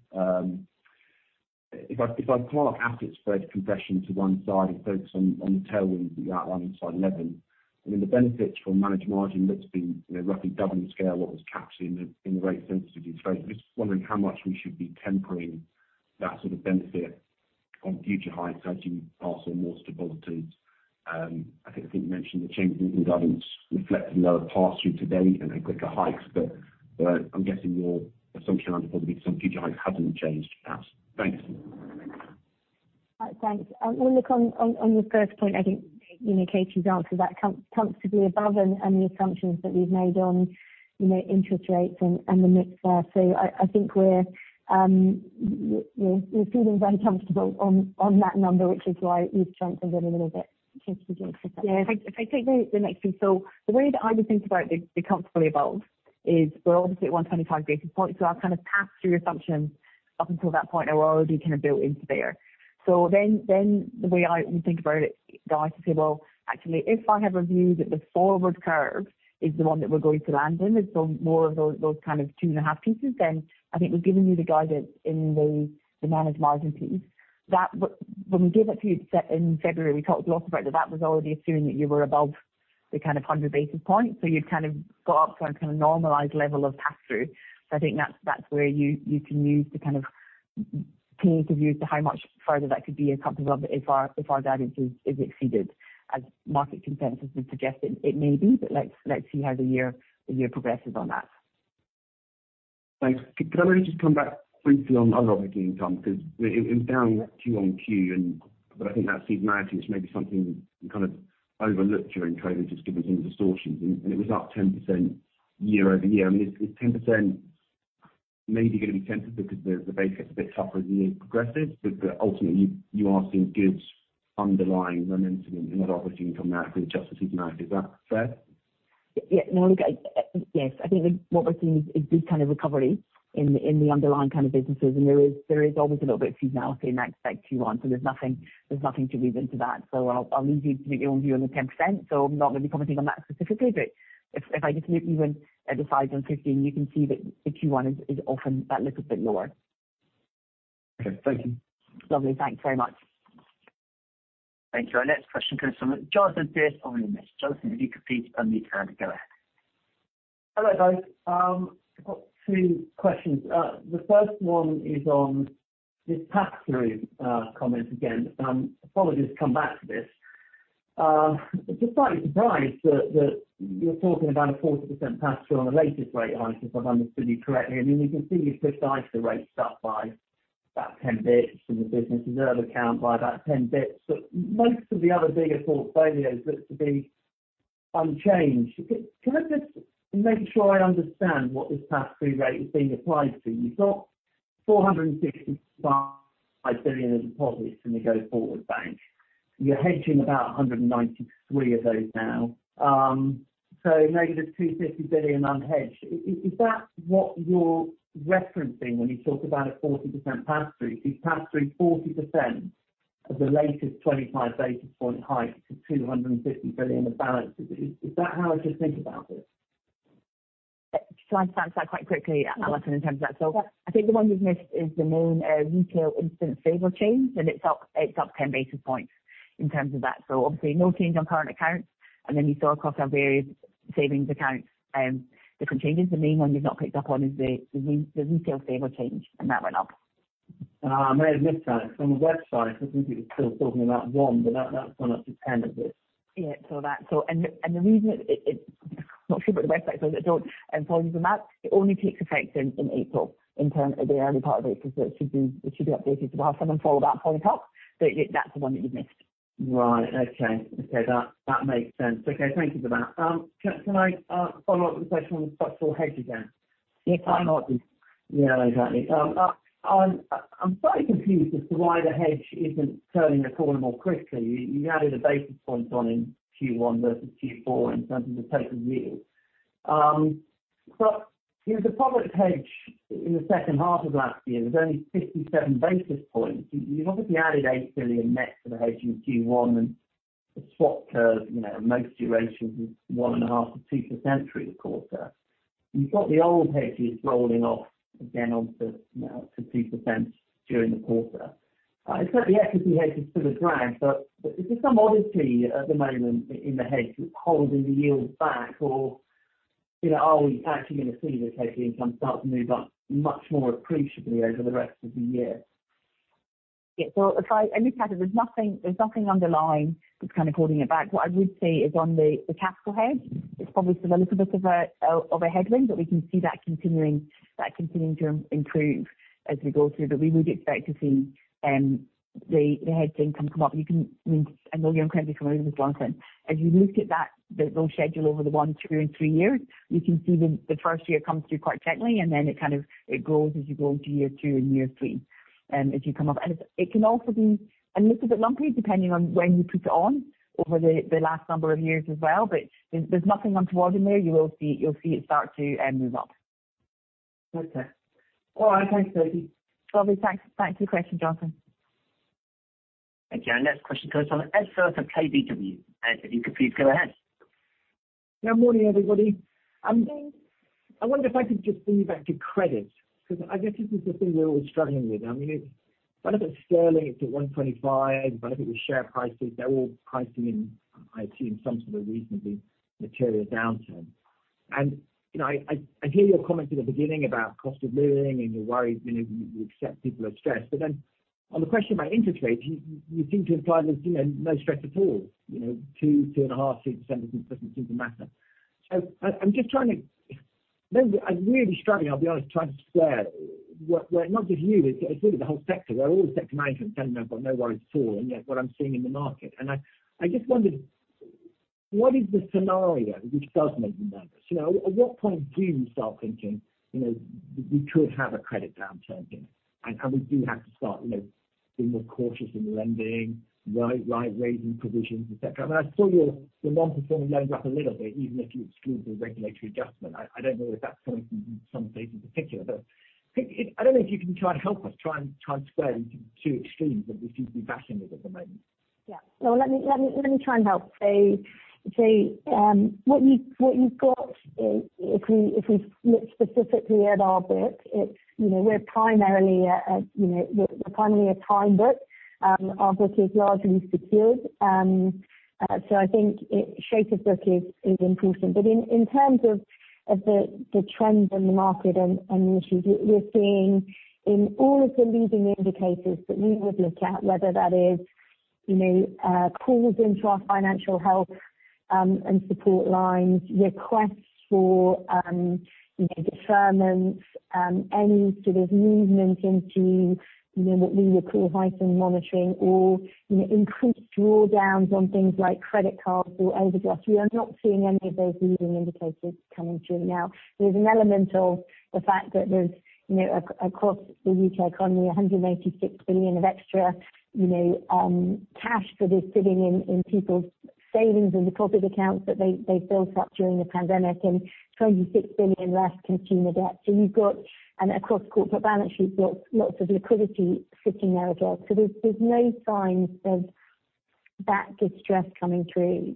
If I put asset spread compression to one side and focus on the tailwind that you outlined inside eleven, I mean the benefit from managed margin looks to be you know roughly double the scale of what was captured in the rate sensitivity slide. I'm just wondering how much we should be tempering that sort of benefit on future hikes as you pass on more to deposits. I think you mentioned the change in government reflecting lower pass-through to date and then quicker hikes. I'm guessing your assumption on deposits and future hikes hasn't changed perhaps. Thanks. Thanks. On the first point, I think, you know, Katie's answered that, comfortably above any assumptions that we've made on, you know, interest rates and the mix there. So I think we're feeling very comfortable on that number, which is why we've strengthened it a little bit. Katie, do you want to say something? Yeah. If I take the next piece. The way that I would think about the comfortably above is we're obviously at 125 basis points. Our kind of pass-through assumption up until that point are already kind of built into there. The way I would think about it, Guy, is to say, well, actually, if I have a view that the forward curve is the one that we're going to land in, it's more of those kind of 2.5 pieces. I think we've given you the guidance in the managed margin piece. When we gave that to you in February, we talked a lot about that was already assuming that you were above the kind of 100 basis points. You'd kind of got up to a kind of normalized level of pass-through. I think that's where you can use to kind of use to how much further that could be if our guidance is exceeded as market consensus has suggested it may be. Let's see how the year progresses on that. Thanks. Could I maybe just come back briefly on underlying income? Because it was down Q-on-Q, but I think that seasonality is maybe something kind of overlooked during trading discrepancies and distortions, and it was up 10% year-over-year. I mean, is 10% maybe gonna be tempered because the base gets a bit tougher as the year progresses, but ultimately you are seeing good underlying momentum in underlying income after you adjust for seasonality. Is that fair? Yeah, no, look, yes. I think what we're seeing is this kind of recovery in the underlying kind of businesses and there is always a little bit of seasonality you might expect Q1. There's nothing to read into that. I'll leave you to make your own view on the 10%. I'm not really commenting on that specifically. If I just look even at the 5% and 15%, you can see that the Q1 is often that little bit lower. Okay, thank you. Lovely. Thanks very much. Thank you. Our next question comes from Jonathan Pierce on the line. Jonathan, if you could please unmute and go ahead. Hello, guys. I've got two questions. The first one is on this pass-through comment again. Apologies to come back to this. Just slightly surprised that you're talking about a 40% pass-through on the latest rate hike, if I've understood you correctly. I mean, you can see you've pushed ISA rates up by about 10 basis points in the business reserve account by about 10 basis points. Most of the other bigger portfolios look to be unchanged. Could I just make sure I understand what this pass-through rate is being applied to? You've got 465 billion in deposits when we go forward, bank. You're hedging about 193 billion of those now. -250 billion unhedged. Is that what you're referencing when you talk about a 40% pass-through? You pass through 40% of the latest 25 basis point hike to 250 billion of balance. Is that how I should think about this? Just try and answer that quite quickly, Alison, in terms of that. Yeah. I think the one you've missed is the main retail instant saver change, and it's up 10 basis points in terms of that. Obviously no change on current accounts. You saw across our various savings accounts different changes. The main one you've not picked up on is the retail saver change, and that went up. I may have missed that. From the website, I think it was still talking about one, but that's gone up to 10 basis points. Yeah. That's all. The reason. I'm not sure about the website, apologies on that. It only takes effect in April in terms of the early part of it, because it should be updated. We'll have someone follow that point up. That's the one that you've missed. Right. Okay, that makes sense. Okay, thank you for that. Can I follow up with a question on structural hedge again? Yes. Yeah, exactly. I'm slightly confused as to why the hedge isn't turning the corner more quickly. You added a basis point on in Q1 versus Q4 in terms of the pay-fixed yield. In the fixed hedge in the second half of last year, there's only 57 basis points. You've obviously added 8 billion net to the hedge in Q1 and the swap curve, you know, most durations is 1.5%-2% through the quarter. You've got the old hedges rolling off again onto, you know, up to 2% during the quarter. It's certainly equity hedge is still a drag, but is there some headwinds at the moment in the hedge holding the yields back or, you know, are we actually going to see this NII income start to move up much more appreciably over the rest of the year? Look, there's nothing underlying that's kind of holding it back. What I would say is on the capital hedge, it's obviously still a little bit of a headwind, but we can see that continuing to improve as we go through. We would expect to see the hedge income come up. I mean, I know you're incredibly familiar with this, Jonathan. As you looked at that, the loan schedule over the one, two and three years, you can see the first year comes through quite gently, and then it kind of grows as you go into year two and year three, as you come up. It can also be a little bit lumpy depending on when you put it on over the last number of years as well. There's nothing untoward in there. You'll see it start to move up. Okay. All right. Thanks, Katie. Lovely. Thanks. Thank you for your question, Jonathan. Thank you. Our next question comes from Ed Firth from KBW. Ed, if you could please go ahead. Yeah, morning, everybody. I wonder if I could just bring you back to credit because I guess this is the thing we're all struggling with. I mean, it, whether it's sterling, it's at 1.25%, whether it be share prices, they're all pricing in, I see some sort of reasonably material downturn. You know, I hear your comments at the beginning about cost of living and your worries, you know, you accept people are stressed. On the question about interest rates, you seem to imply there's, you know, no stress at all. You know, 2.5%, 3% doesn't seem to matter. I'm just maybe I'm really struggling, I'll be honest, trying to square what where not just you, it's really the whole sector, where all the sector management are saying they've got no worries at all, and yet what I'm seeing in the market. I just wondered, what is the scenario which does make you nervous. You know, at what point do you start thinking, you know, we could have a credit downturn here, and we do have to start, you know, being more cautious in the lending, right, raising provisions, et cetera. I saw the non-performing loans up a little bit, even if you exclude the regulatory adjustment. I don't know if that's something some days in particular, but I don't know if you can try and help us square these two extremes that we seem to be bashing with at the moment. Yeah. Let me try and help. What you've got, if we look specifically at our book, it's, you know, we're primarily a term book. Our book is largely secured. I think its shape is important. In terms of the trends in the market and the issues we're seeing in all of the leading indicators that we would look at, whether that is, you know, calls into our financial health and support lines, requests for, you know, deferments, any sort of movement into, you know, what we would call heightened monitoring or, you know, increased drawdowns on things like credit cards or overdraft. We are not seeing any of those leading indicators coming through. Now, there's an element of the fact that there's, you know, across the U.K. economy, 186 billion of extra, you know, cash that is sitting in people's savings and deposit accounts that they built up during the pandemic and 26 billion less consumer debt. You've got, and across corporate balance sheets, lots of liquidity sitting there as well. There's no signs of that distress coming through.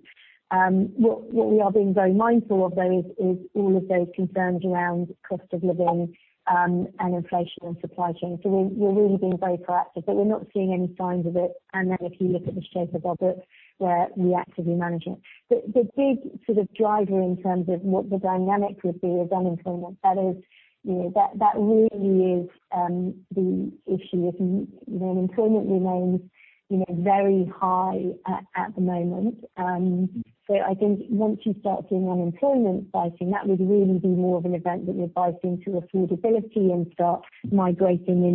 What we are being very mindful of though is all of those concerns around cost of living, and inflation and supply chain. We're really being very proactive, but we're not seeing any signs of it. Then if you look at the shape of our books where we actively manage it. The big sort of driver in terms of what the dynamic would be with unemployment, that is, you know, that really is the issue of, you know, employment remains, you know, very high at the moment. I think once you start seeing unemployment rising, that would really be more of an event that would buy into affordability and start migrating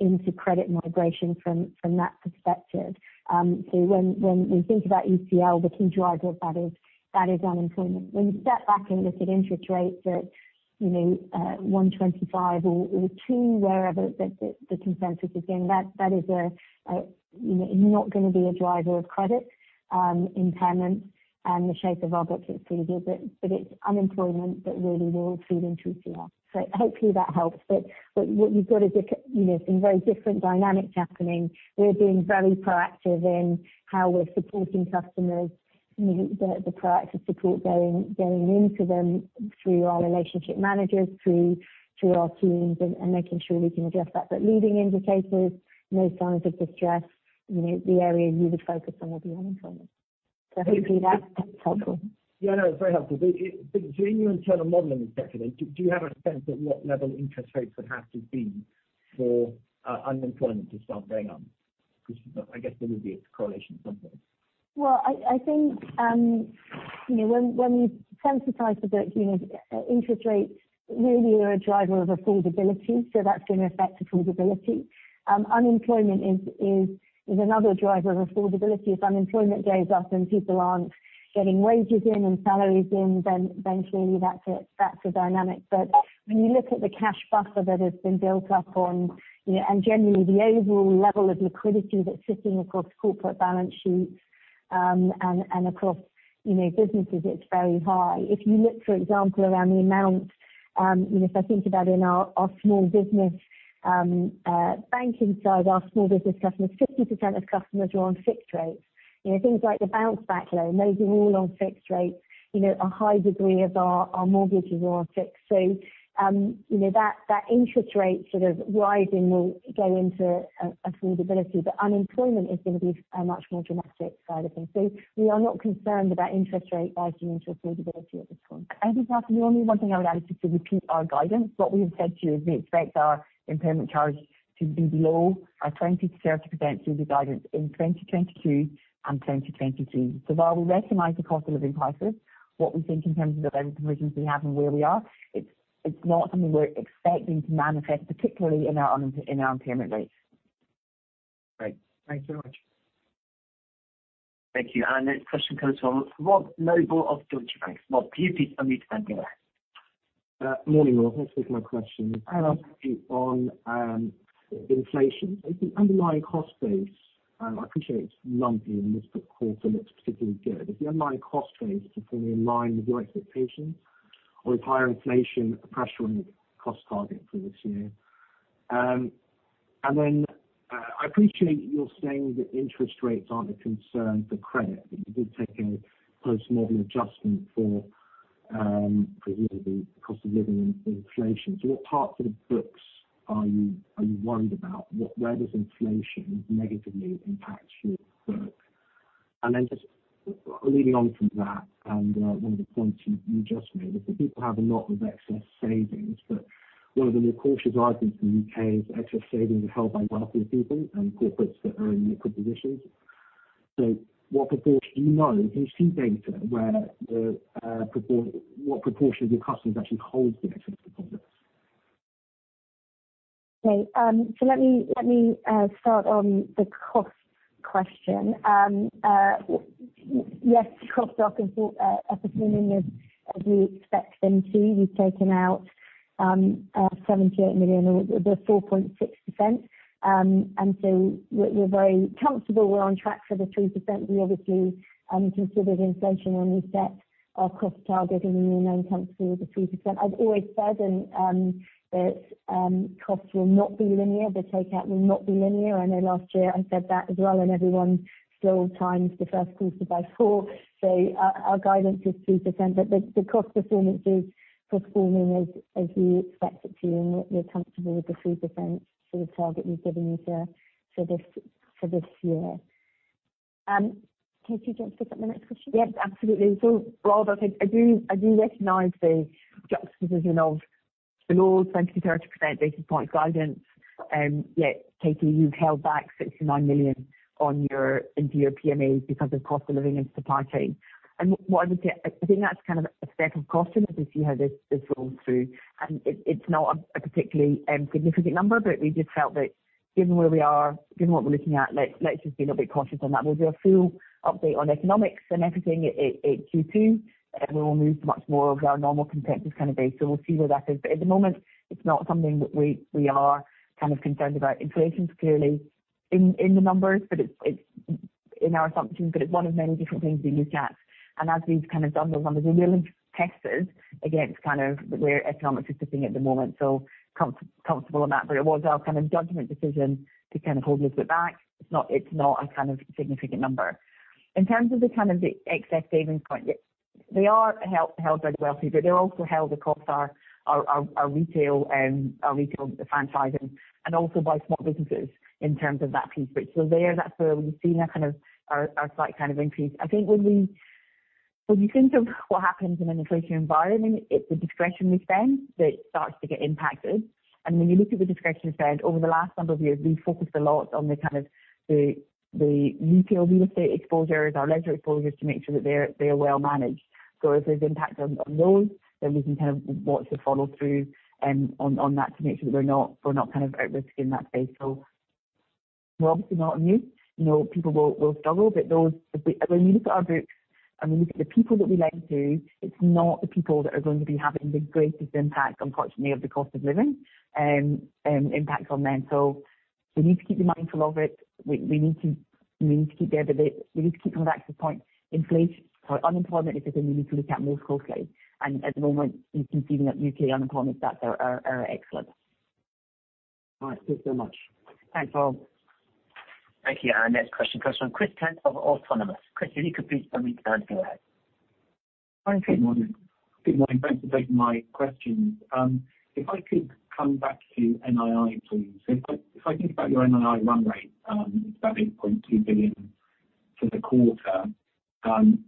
into credit migration from that perspective. When we think about ECL, the key driver of that is unemployment. When you step back and look at interest rates at, you know, 1.25% or 2%, wherever the consensus is going, that is a you know not gonna be a driver of credit impairment and the shape of our book is pretty good. It's unemployment that really will feed into ECL. Hopefully that helps. What you've got, you know, some very different dynamics happening. We're being very proactive in how we're supporting customers. You know, the proactive support going into them through our relationship managers, through our teams and making sure we can address that. Leading indicators, no signs of distress. You know, the area you would focus on would be unemployment. Hopefully that's helpful. Yeah, no, it's very helpful. During your internal modeling perspective, do you have a sense of what level interest rates would have to be for unemployment to start going up? Because I guess there would be a correlation somewhere. Well, I think, you know, when you sensitize the books, you know, interest rates really are a driver of affordability, so that's gonna affect affordability. Unemployment is another driver of affordability. If unemployment goes up and people aren't getting wages in and salaries in, then clearly that's a dynamic. When you look at the cash buffer that has been built up, you know, and generally the overall level of liquidity that's sitting across corporate balance sheets, and across businesses, it's very high. If you look, for example, around the amount, you know, so think about in our small business banking side, our small business customers, 50% of customers are on fixed rates. You know, things like the Bounce Back Loan, those are all on fixed rates. You know, a high degree of our mortgages are on fixed. That interest rate sort of rising will go into affordability. Unemployment is gonna be a much more dramatic side of things. We are not concerned about interest rate rising into affordability at this point. I think, Ed, the only one thing I would add is to repeat our guidance. What we have said to you is we expect our impairment charge to be below our 20%-30% through-the-cycle guidance in 2022 and 2023. While we recognize the cost of living crisis, what we think in terms of the resilience we have and where we are, it's not something we're expecting to manifest, particularly in our impairment rates. Great. Thank you very much. Thank you. Our next question comes from Rob Noble of Deutsche Bank. Rob, can you please unmute and go ahead. Morning, all. Thanks for my questions. Can I ask you on inflation? I appreciate it's lumpy in this quarter. Looks particularly good. Is the underlying cost base performing in line with your expectations or is higher inflation pressuring cost target for this year? I appreciate you're saying that interest rates aren't a concern for credit, but you did take a post-model adjustment for, presumably cost of living in inflation. So what parts of the books are you worried about? Where does inflation negatively impact your book? Then just leading on from that, one of the points you just made is that people have a lot of excess savings. One of the more cautious arguments in the U.K. is excess savings are held by wealthier people and corporates that are in liquid positions. What proportion do you know in C&I data where the proportion of your customers actually holds the excess deposits? Okay. So let me start on the cost question. Yes, costs are performing as we expect them to. We've taken out GBP 78 million or the 4.6%. We're very comfortable we're on track for the 3%. We obviously considered inflation when we set our cost target, and we're now comfortable with the 3%. I've always said that costs will not be linear. The takeout will not be linear. I know last year I said that as well, and everyone still times the first quarter by four. Our guidance is 3%, but the cost performance is performing as we expect it to, and we're comfortable with the 3% sort of target we've given you for this year. Katie, do you want to pick up the next question? Yes, absolutely. Rob, I think I do recognize the juxtaposition of below 20%-30% data point guidance. Yet, Katie, you've held back 69 million into your PMA because of cost of living and supply chain. What I would say, I think that's kind of a step of caution as we see how this rolls through. It's not a particularly significant number. We just felt that given where we are, given what we're looking at, let's just be a little bit cautious on that. We'll do a full update on economics and everything at Q2, and we will move to much more of our normal competitive kind of base. We'll see where that is. At the moment, it's not something that we are kind of concerned about. Inflation's clearly in the numbers, but it's in our assumptions, but it's one of many different things we look at. As we've kind of done those numbers, we really tested against kind of where economics is sitting at the moment. Comfortable on that. It was our kind of judgment decision to kind of hold a little bit back. It's not a kind of significant number. In terms of the kind of excess savings point, yes, they are held very well, but they're also held across our retail and our retail franchising and also by small businesses in terms of that piece. So there, that's where we've seen a kind of our slight kind of increase. I think when you think of what happens in an inflationary environment, it's the discretionary spend that starts to get impacted. When you look at the discretionary spend over the last number of years, we focused a lot on the retail real estate exposures, our leisure exposures to make sure that they're well managed. If there's impact on those, then we can kind of watch the follow through on that to make sure that we're not kind of at risk in that space. We're obviously not immune. You know, people will struggle. When you look at our books and we look at the people that we lend to, it's not the people that are going to be having the greatest impact, unfortunately, of the cost of living impact on them. We need to keep mindful of it. We need to keep that, but we need to keep an eye on inflation. Sorry. Unemployment is the thing we need to look at most closely. At the moment we continue to see that U.K. unemployment stats are excellent. All right. Thanks so much. Thanks, Rob. Thank you. Our next question comes from Chris Cant of Autonomous. Chris, if you could please unmute and go ahead. Hi. Good morning. Thanks for taking my questions. If I could come back to NII, please. If I think about your NII run rate, it's about 8.2 billion for the quarter, and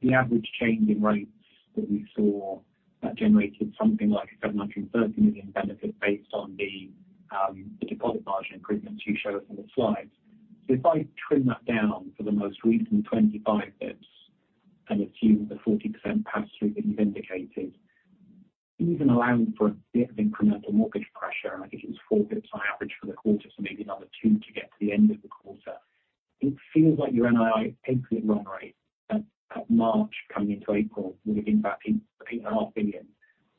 the average change in rates that we saw that generated something like 730 million benefits based on the deposit margin improvements you show us on the slides. If I trim that down for the most recent 25 basis points and assume the 40% pass through that you've indicated, even allowing for a bit of incremental mortgage pressure, and I think it was 4 basis points on average for the quarter, so maybe another two to get to the end of the quarter. It feels like your NII implied run rate at March coming into April would have been back in 8.5 billion,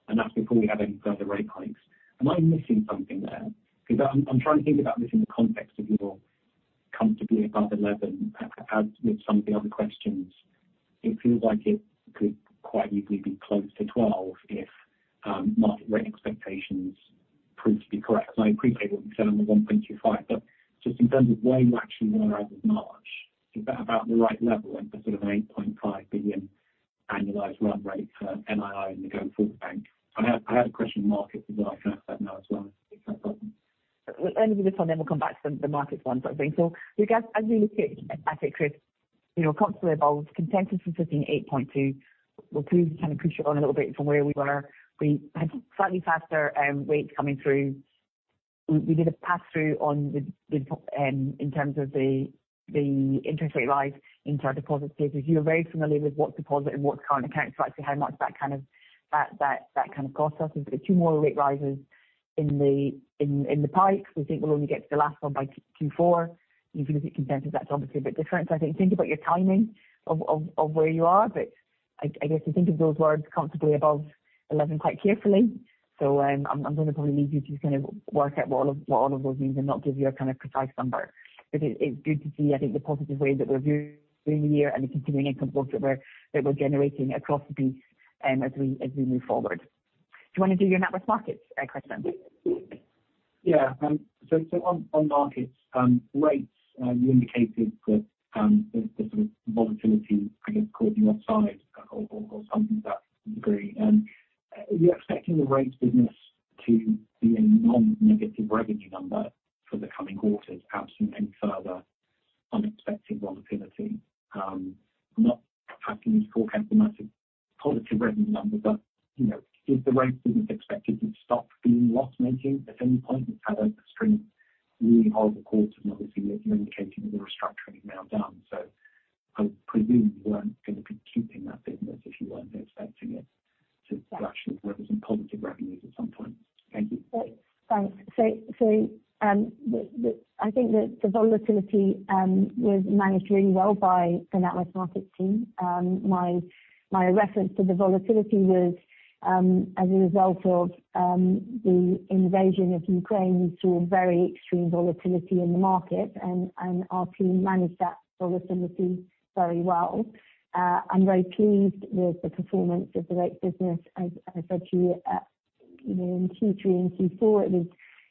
and that's before we have any further rate hikes. Am I missing something there? Because I'm trying to think about this in the context of your comfortably above 11 billion. As with some of the other questions, it feels like it could quite easily be close to 12 billion if market rate expectations prove to be correct. I appreciate what you said on the 1.25%. Just in terms of where you actually were as of March, is that about the right level for sort of a 8.5 billion annualized run rate for NII in the going forward bank? I had a question on markets as well. I can ask that now as well. Let me do this one, then we'll come back to the markets one sort of thing. I guess as we look at it, Chris, you know, constantly evolves consensus from sitting at 8.2 billion, we'll please kind of push it on a little bit from where we were. We had slightly faster rates coming through. We did a pass through on the in terms of the interest rate rise into our deposit bases. You're very familiar with what deposit and what current accounts, so actually how much that kind of cost us. We've got two more rate rises in the pipes. We think we'll only get to the last one by Q4. If you look at consensus, that's obviously a bit different. I think about your timing of where you are. I guess you think of those words comfortably above 11% quite carefully. I'm gonna probably leave you to kind of work out what all of those means and not give you a kind of precise number. It's good to see, I think, the positive way that we're viewing the year and the continuing income color that we're generating across the piece, as we move forward. Do you wanna do your NatWest Markets question? Yeah. So on markets, rates, you indicated that the sort of volatility, I guess, caught you offside or something to that degree. Are you expecting the rates business to be a non-negative revenue number for the coming quarters absent any further unexpected volatility? I'm not asking you to forecast a massive positive revenue number but, you know, is the rates business expected to stop being loss-making at any point? It's had a string of really horrible quarters and obviously you're indicating the restructuring is now done. I presume you weren't gonna be keeping that business if you weren't expecting it to actually represent positive revenues at some point. Thank you. Thanks. I think the volatility was managed really well by the NatWest Markets team. My reference to the volatility was as a result of the invasion of Ukraine. We saw very extreme volatility in the market and our team managed that volatility very well. I'm very pleased with the performance of the rates business. As I said to you know, in Q3 and Q4, it was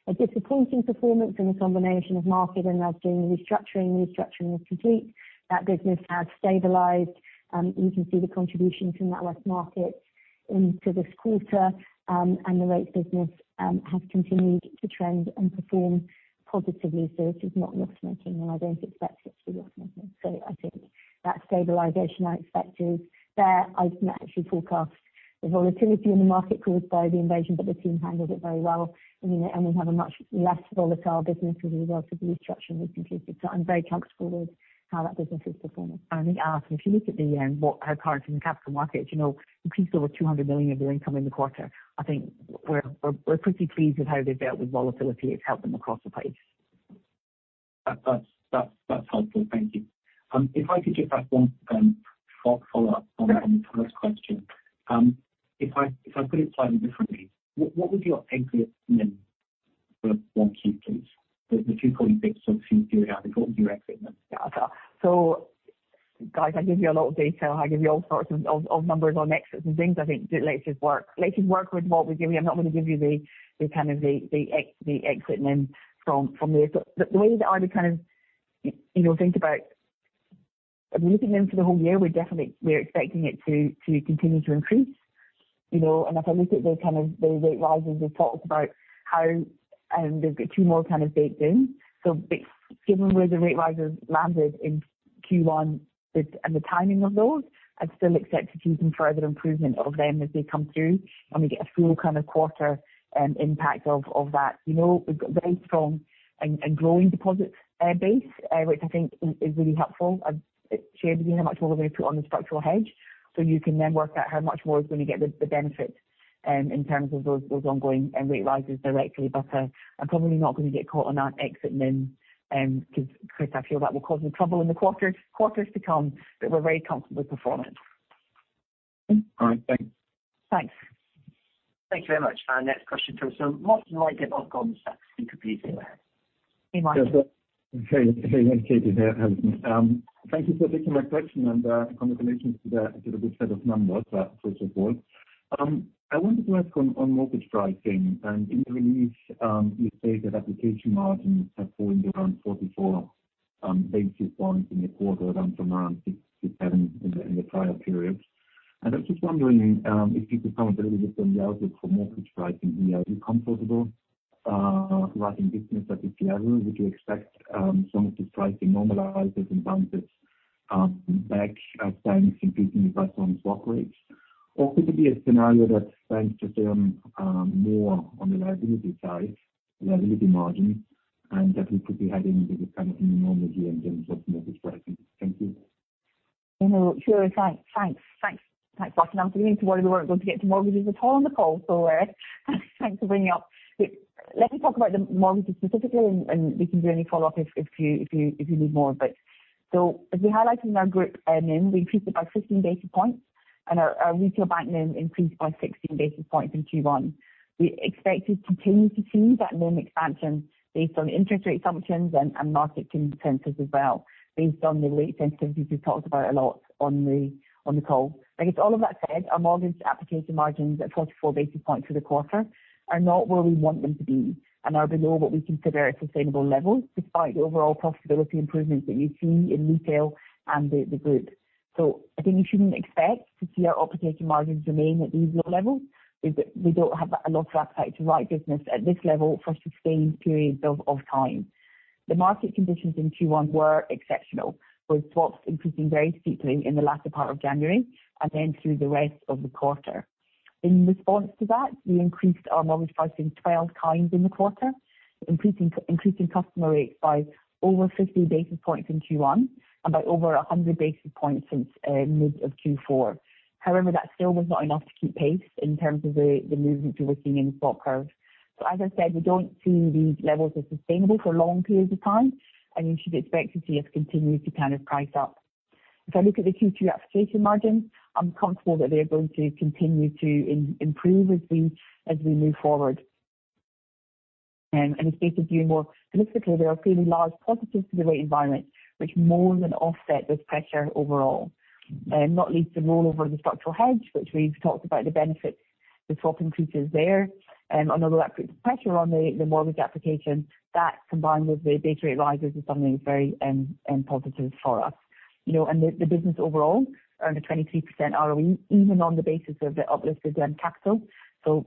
a disappointing performance in a combination of market and us doing the restructuring. The restructuring was complete. That business has stabilized. You can see the contribution from NatWest Markets into this quarter, and the rates business have continued to trend and perform positively. It is not loss-making, and I don't expect it to be loss-making. I think that stabilization I expected there. I didn't actually forecast the volatility in the market caused by the invasion, but the team handled it very well. I mean, we have a much less volatile business as a result of the restructuring we've completed. I'm very comfortable with how that business is performing. I think, Alison, if you look at what our partners in the capital markets, you know, increased over 200 million of their income in the quarter. I think we're pretty pleased with how they've dealt with volatility. It's helped them across the board. That's helpful. Thank you. If I could just ask one follow-up on the first question. If I put it slightly differently, what would your cost of equity mean for WACC, please? The 2.6% or 2% what would you expect then? Guys, I give you a lot of detail. I give you all sorts of numbers on exits and things. I think let's just work with what we're giving you. I'm not gonna give you the exit NIM from there. The way that I would kind of, you know, think about looking in for the whole year, we're definitely expecting it to continue to increase, you know, and if I look at the kind of rate rises, we've talked about how they've got two more kind of baked in. Given where the rate rises landed in Q1 and the timing of those, I'd still expect to see some further improvement of them as they come through, and we get a full kind of quarter impact of that. You know, we've got very strong and growing deposit base, which I think is really helpful. I've shared with you how much more we're going to put on the structural hedge. You can then work out how much more is going to get the benefit in terms of those ongoing and rate rises directly. I'm probably not going to get caught on that exit NIM, 'cause quite I feel that will cause me trouble in the quarters to come, but we're very comfortable with performance. All right. Thanks. Thanks. Thank you very much. Our next question comes from Martin Leitgeb at Goldman Sachs. You can please go ahead. Hey, Martin. Hey, Katie here. How are you doing? Thank you for taking my question and, congratulations, you got a good set of numbers, first of all. I wanted to ask on mortgage pricing. In the release, you say that application margins have fallen to around 44 basis points in the quarter, down from around six to seven in the prior periods. I'm just wondering if you could comment a little bit on the outlook for mortgage pricing. You know, are you comfortable writing business at this level? Would you expect some of the pricing normalizes and balances back as banks increase the pressure on swap rates? Could it be a scenario that banks just more on the liability side, liability margins, and that we could be heading into the kind of a new normal here in terms of mortgage pricing? Thank you. You know, sure. Thanks, Martin. I'm beginning to worry we weren't going to get to mortgages at all on the call, so thanks for bringing up. Let me talk about the mortgages specifically, and we can do any follow-up if you need more. As we highlighted in our group NIM, we increased it by 15 basis points and our retail bank NIM increased by 16 basis points in Q1. We expect to continue to see that NIM expansion based on interest rate assumptions and market consensus as well, based on the rate sensitivity we've talked about a lot on the call. I guess all of that said, our mortgage application margins at 44 basis points for the quarter are not where we want them to be and are below what we consider a sustainable level despite the overall profitability improvements that you've seen in retail and the group. I think you shouldn't expect to see our application margins remain at these low levels. We don't have a lot of appetite to write business at this level for sustained periods of time. The market conditions in Q1 were exceptional, with swaps increasing very steeply in the latter part of January and then through the rest of the quarter. In response to that, we increased our mortgage pricing 12 times in the quarter, increasing customer rates by over 50 basis points in Q1 and by over 100 basis points since mid of Q4. However, that still was not enough to keep pace in terms of the movement we're seeing in swap curve. As I said, we don't see these levels as sustainable for long periods of time, and you should expect to see us continue to kind of price up. If I look at the Q2 application margins, I'm comfortable that they are going to continue to improve as we move forward. I speak to you more specifically, there are fairly large positives to the rate environment which more than offset this pressure overall. Not least the rollover of the structural hedge, which we've talked about the benefits the swap increases there. Although that puts pressure on the mortgage application, that combined with the base rate rises is something that's very positive for us. You know, the business overall earned a 23% ROE even on the basis of the uplifted then tax bill.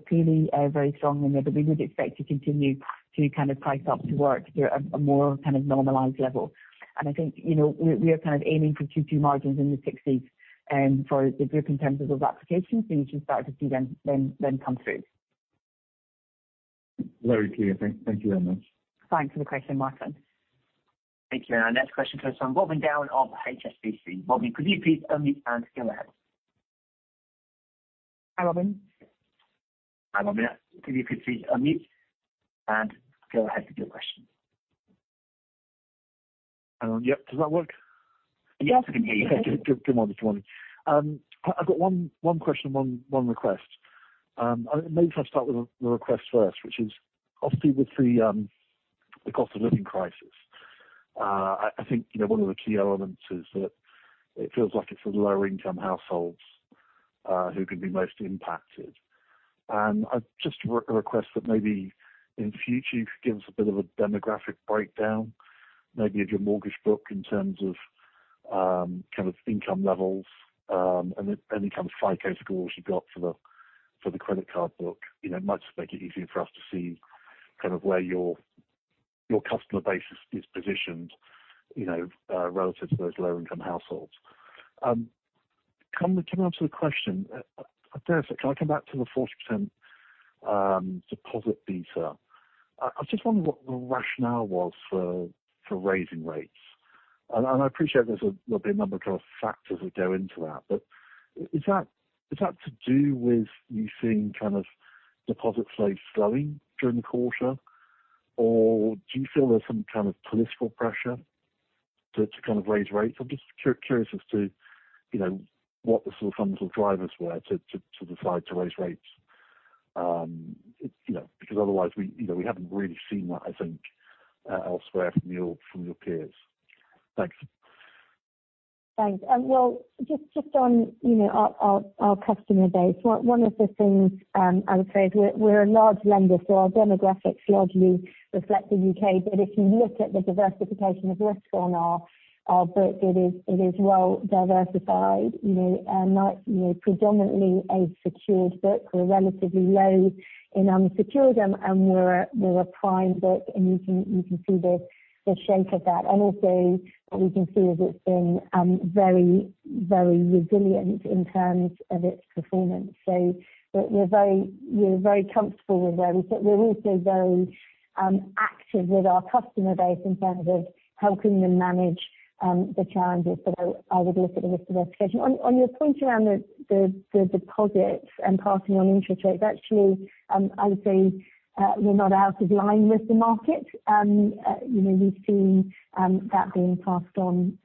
Clearly, very strong and that we would expect to continue to kind of price up to work through a more kind of normalized level. I think, you know, we are kind of aiming for Q2 margins in the 60s for the group in terms of those applications. You should start to see them come through. Very clear. Thank you very much. Thanks for the question, Martin. Thank you. Our next question comes from Robin Down of HSBC. Robin, could you please unmute and go ahead. Hi, Robin. Hi, Robin. If you could please unmute and go ahead with your question. Hello. Yep. Does that work? Yes, we can hear you. Okay. Good morning. Good morning. I've got one question, one request. Maybe if I start with the request first, which is obviously with the cost of living crisis, I think, you know, one of the key elements is that it feels like it's the lower income households who can be most impacted. I'd just request that maybe in future you could give us a bit of a demographic breakdown, maybe of your mortgage book in terms of kind of income levels and any kind of FICO scores you've got for the credit card book. You know, might just make it easier for us to see kind of where your customer base is positioned, you know, relative to those lower income households. Coming on to the question, dare I say, can I come back to the 40% deposit beta? I was just wondering what the rationale was for raising rates. I appreciate there'll be a number of kind of factors that go into that. Is that to do with you seeing kind of deposit flows slowing during the quarter, or do you feel there's some kind of political pressure to kind of raise rates? I'm just curious as to, you know, what the sort of fundamental drivers were to decide to raise rates. You know, because otherwise, you know, we haven't really seen that, I think, elsewhere from your peers. Thanks. Thanks. Well, just on, you know, our customer base. One of the things I would say is we're a large lender, so our demographics largely reflect the U.K.. If you look at the diversification of risk on our books, it is well diversified. You know, not predominantly a secured book. We're relatively low in unsecured and we're a prime book, and you can see the shape of that. What we can see is it's been very resilient in terms of its performance. We're very comfortable with where we sit. We're also very active with our customer base in terms of helping them manage the challenges. I would look at the risk diversification. On your point around the deposits and passing on interest rates, actually, I would say we're not out of line with the market. You know, we've seen that being passed on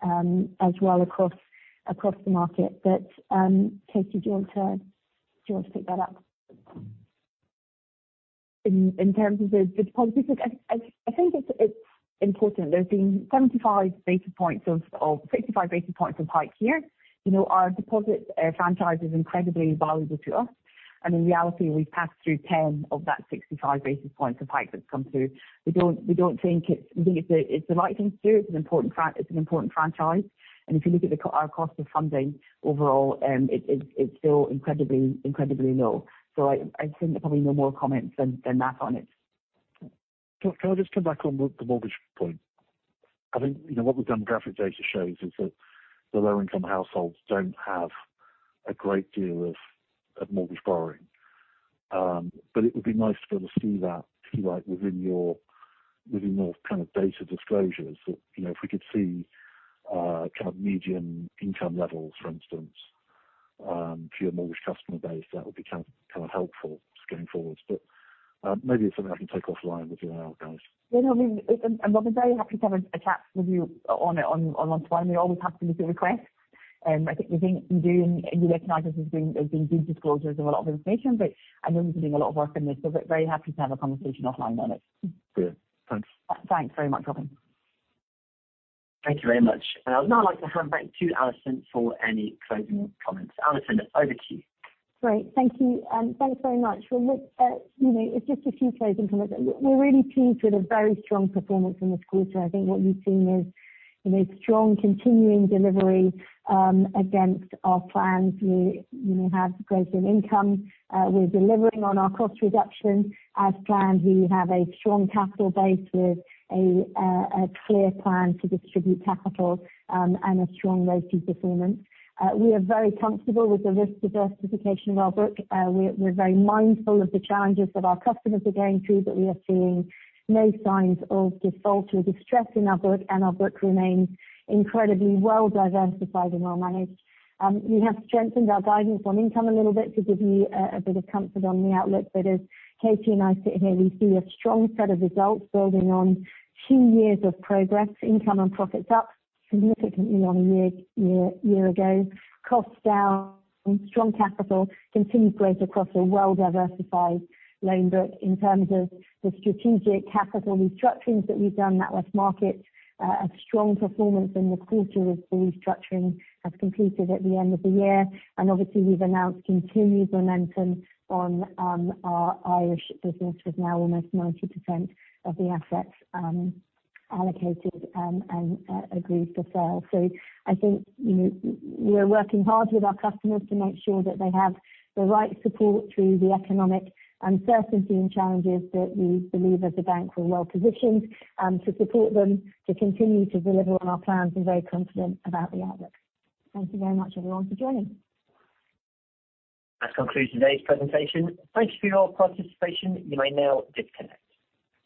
as well across the market. Katie, do you want to pick that up? In terms of the deposit book, I think it's important. There's been 75 basis points or 65 basis points of hikes here. You know, our deposit franchise is incredibly valuable to us. In reality, we've passed through 10 of that 65 basis points of hike that's come through. We think it's the right thing to do. It's an important franchise. If you look at our cost of funding overall, it's still incredibly low. I think there are probably no more comments than that on it. Can I just come back on the mortgage point? I think, you know, what the demographic data shows is that the low-income households don't have a great deal of mortgage borrowing. It would be nice to be able to see that too, like within your kind of data disclosures. You know, if we could see kind of median income levels, for instance, for your mortgage customer base, that would be kind of helpful going forwards. Maybe it's something I can take offline with you and Alison. Yeah, no, I mean, and Robin, very happy to have a chat with you on offline. We always happy to receive requests. I think you recognize there's been good disclosures of a lot of information, but I know we've been doing a lot of work on this, so we're very happy to have a conversation offline on it. Good. Thanks. Thanks very much, Robin. Thank you very much. I would now like to hand back to Alison for any closing comments. Alison, over to you. Great. Thank you, and thanks very much. Well, look, you know, it's just a few closing comments. We're really pleased with a very strong performance in this quarter. I think what you've seen is, you know, strong continuing delivery against our plans. We, you know, have growth in income. We're delivering on our cost reductions as planned. We have a strong capital base with a clear plan to distribute capital, and a strong ROATE performance. We are very comfortable with the risk diversification of our book. We're very mindful of the challenges that our customers are going through, but we are seeing no signs of default or distress in our book, and our book remains incredibly well diversified and well managed. We have strengthened our guidance on income a little bit to give you a bit of comfort on the outlook. As Katie and I sit here, we see a strong set of results building on two years of progress. Income and profits up significantly on a year ago. Costs down. Strong capital. Continued growth across a well-diversified loan book. In terms of the strategic capital restructurings that we've done, NatWest Markets, a strong performance in this quarter as the restructuring has completed at the end of the year. Obviously, we've announced continued momentum on our Irish business with now almost 90% of the assets allocated and agreed for sale. I think, you know, we are working hard with our customers to make sure that they have the right support through the economic uncertainty and challenges that we believe as a bank we're well-positioned, to support them, to continue to deliver on our plans. We're very confident about the outlook. Thank you very much everyone for joining. That concludes today's presentation. Thank you for your participation. You may now disconnect.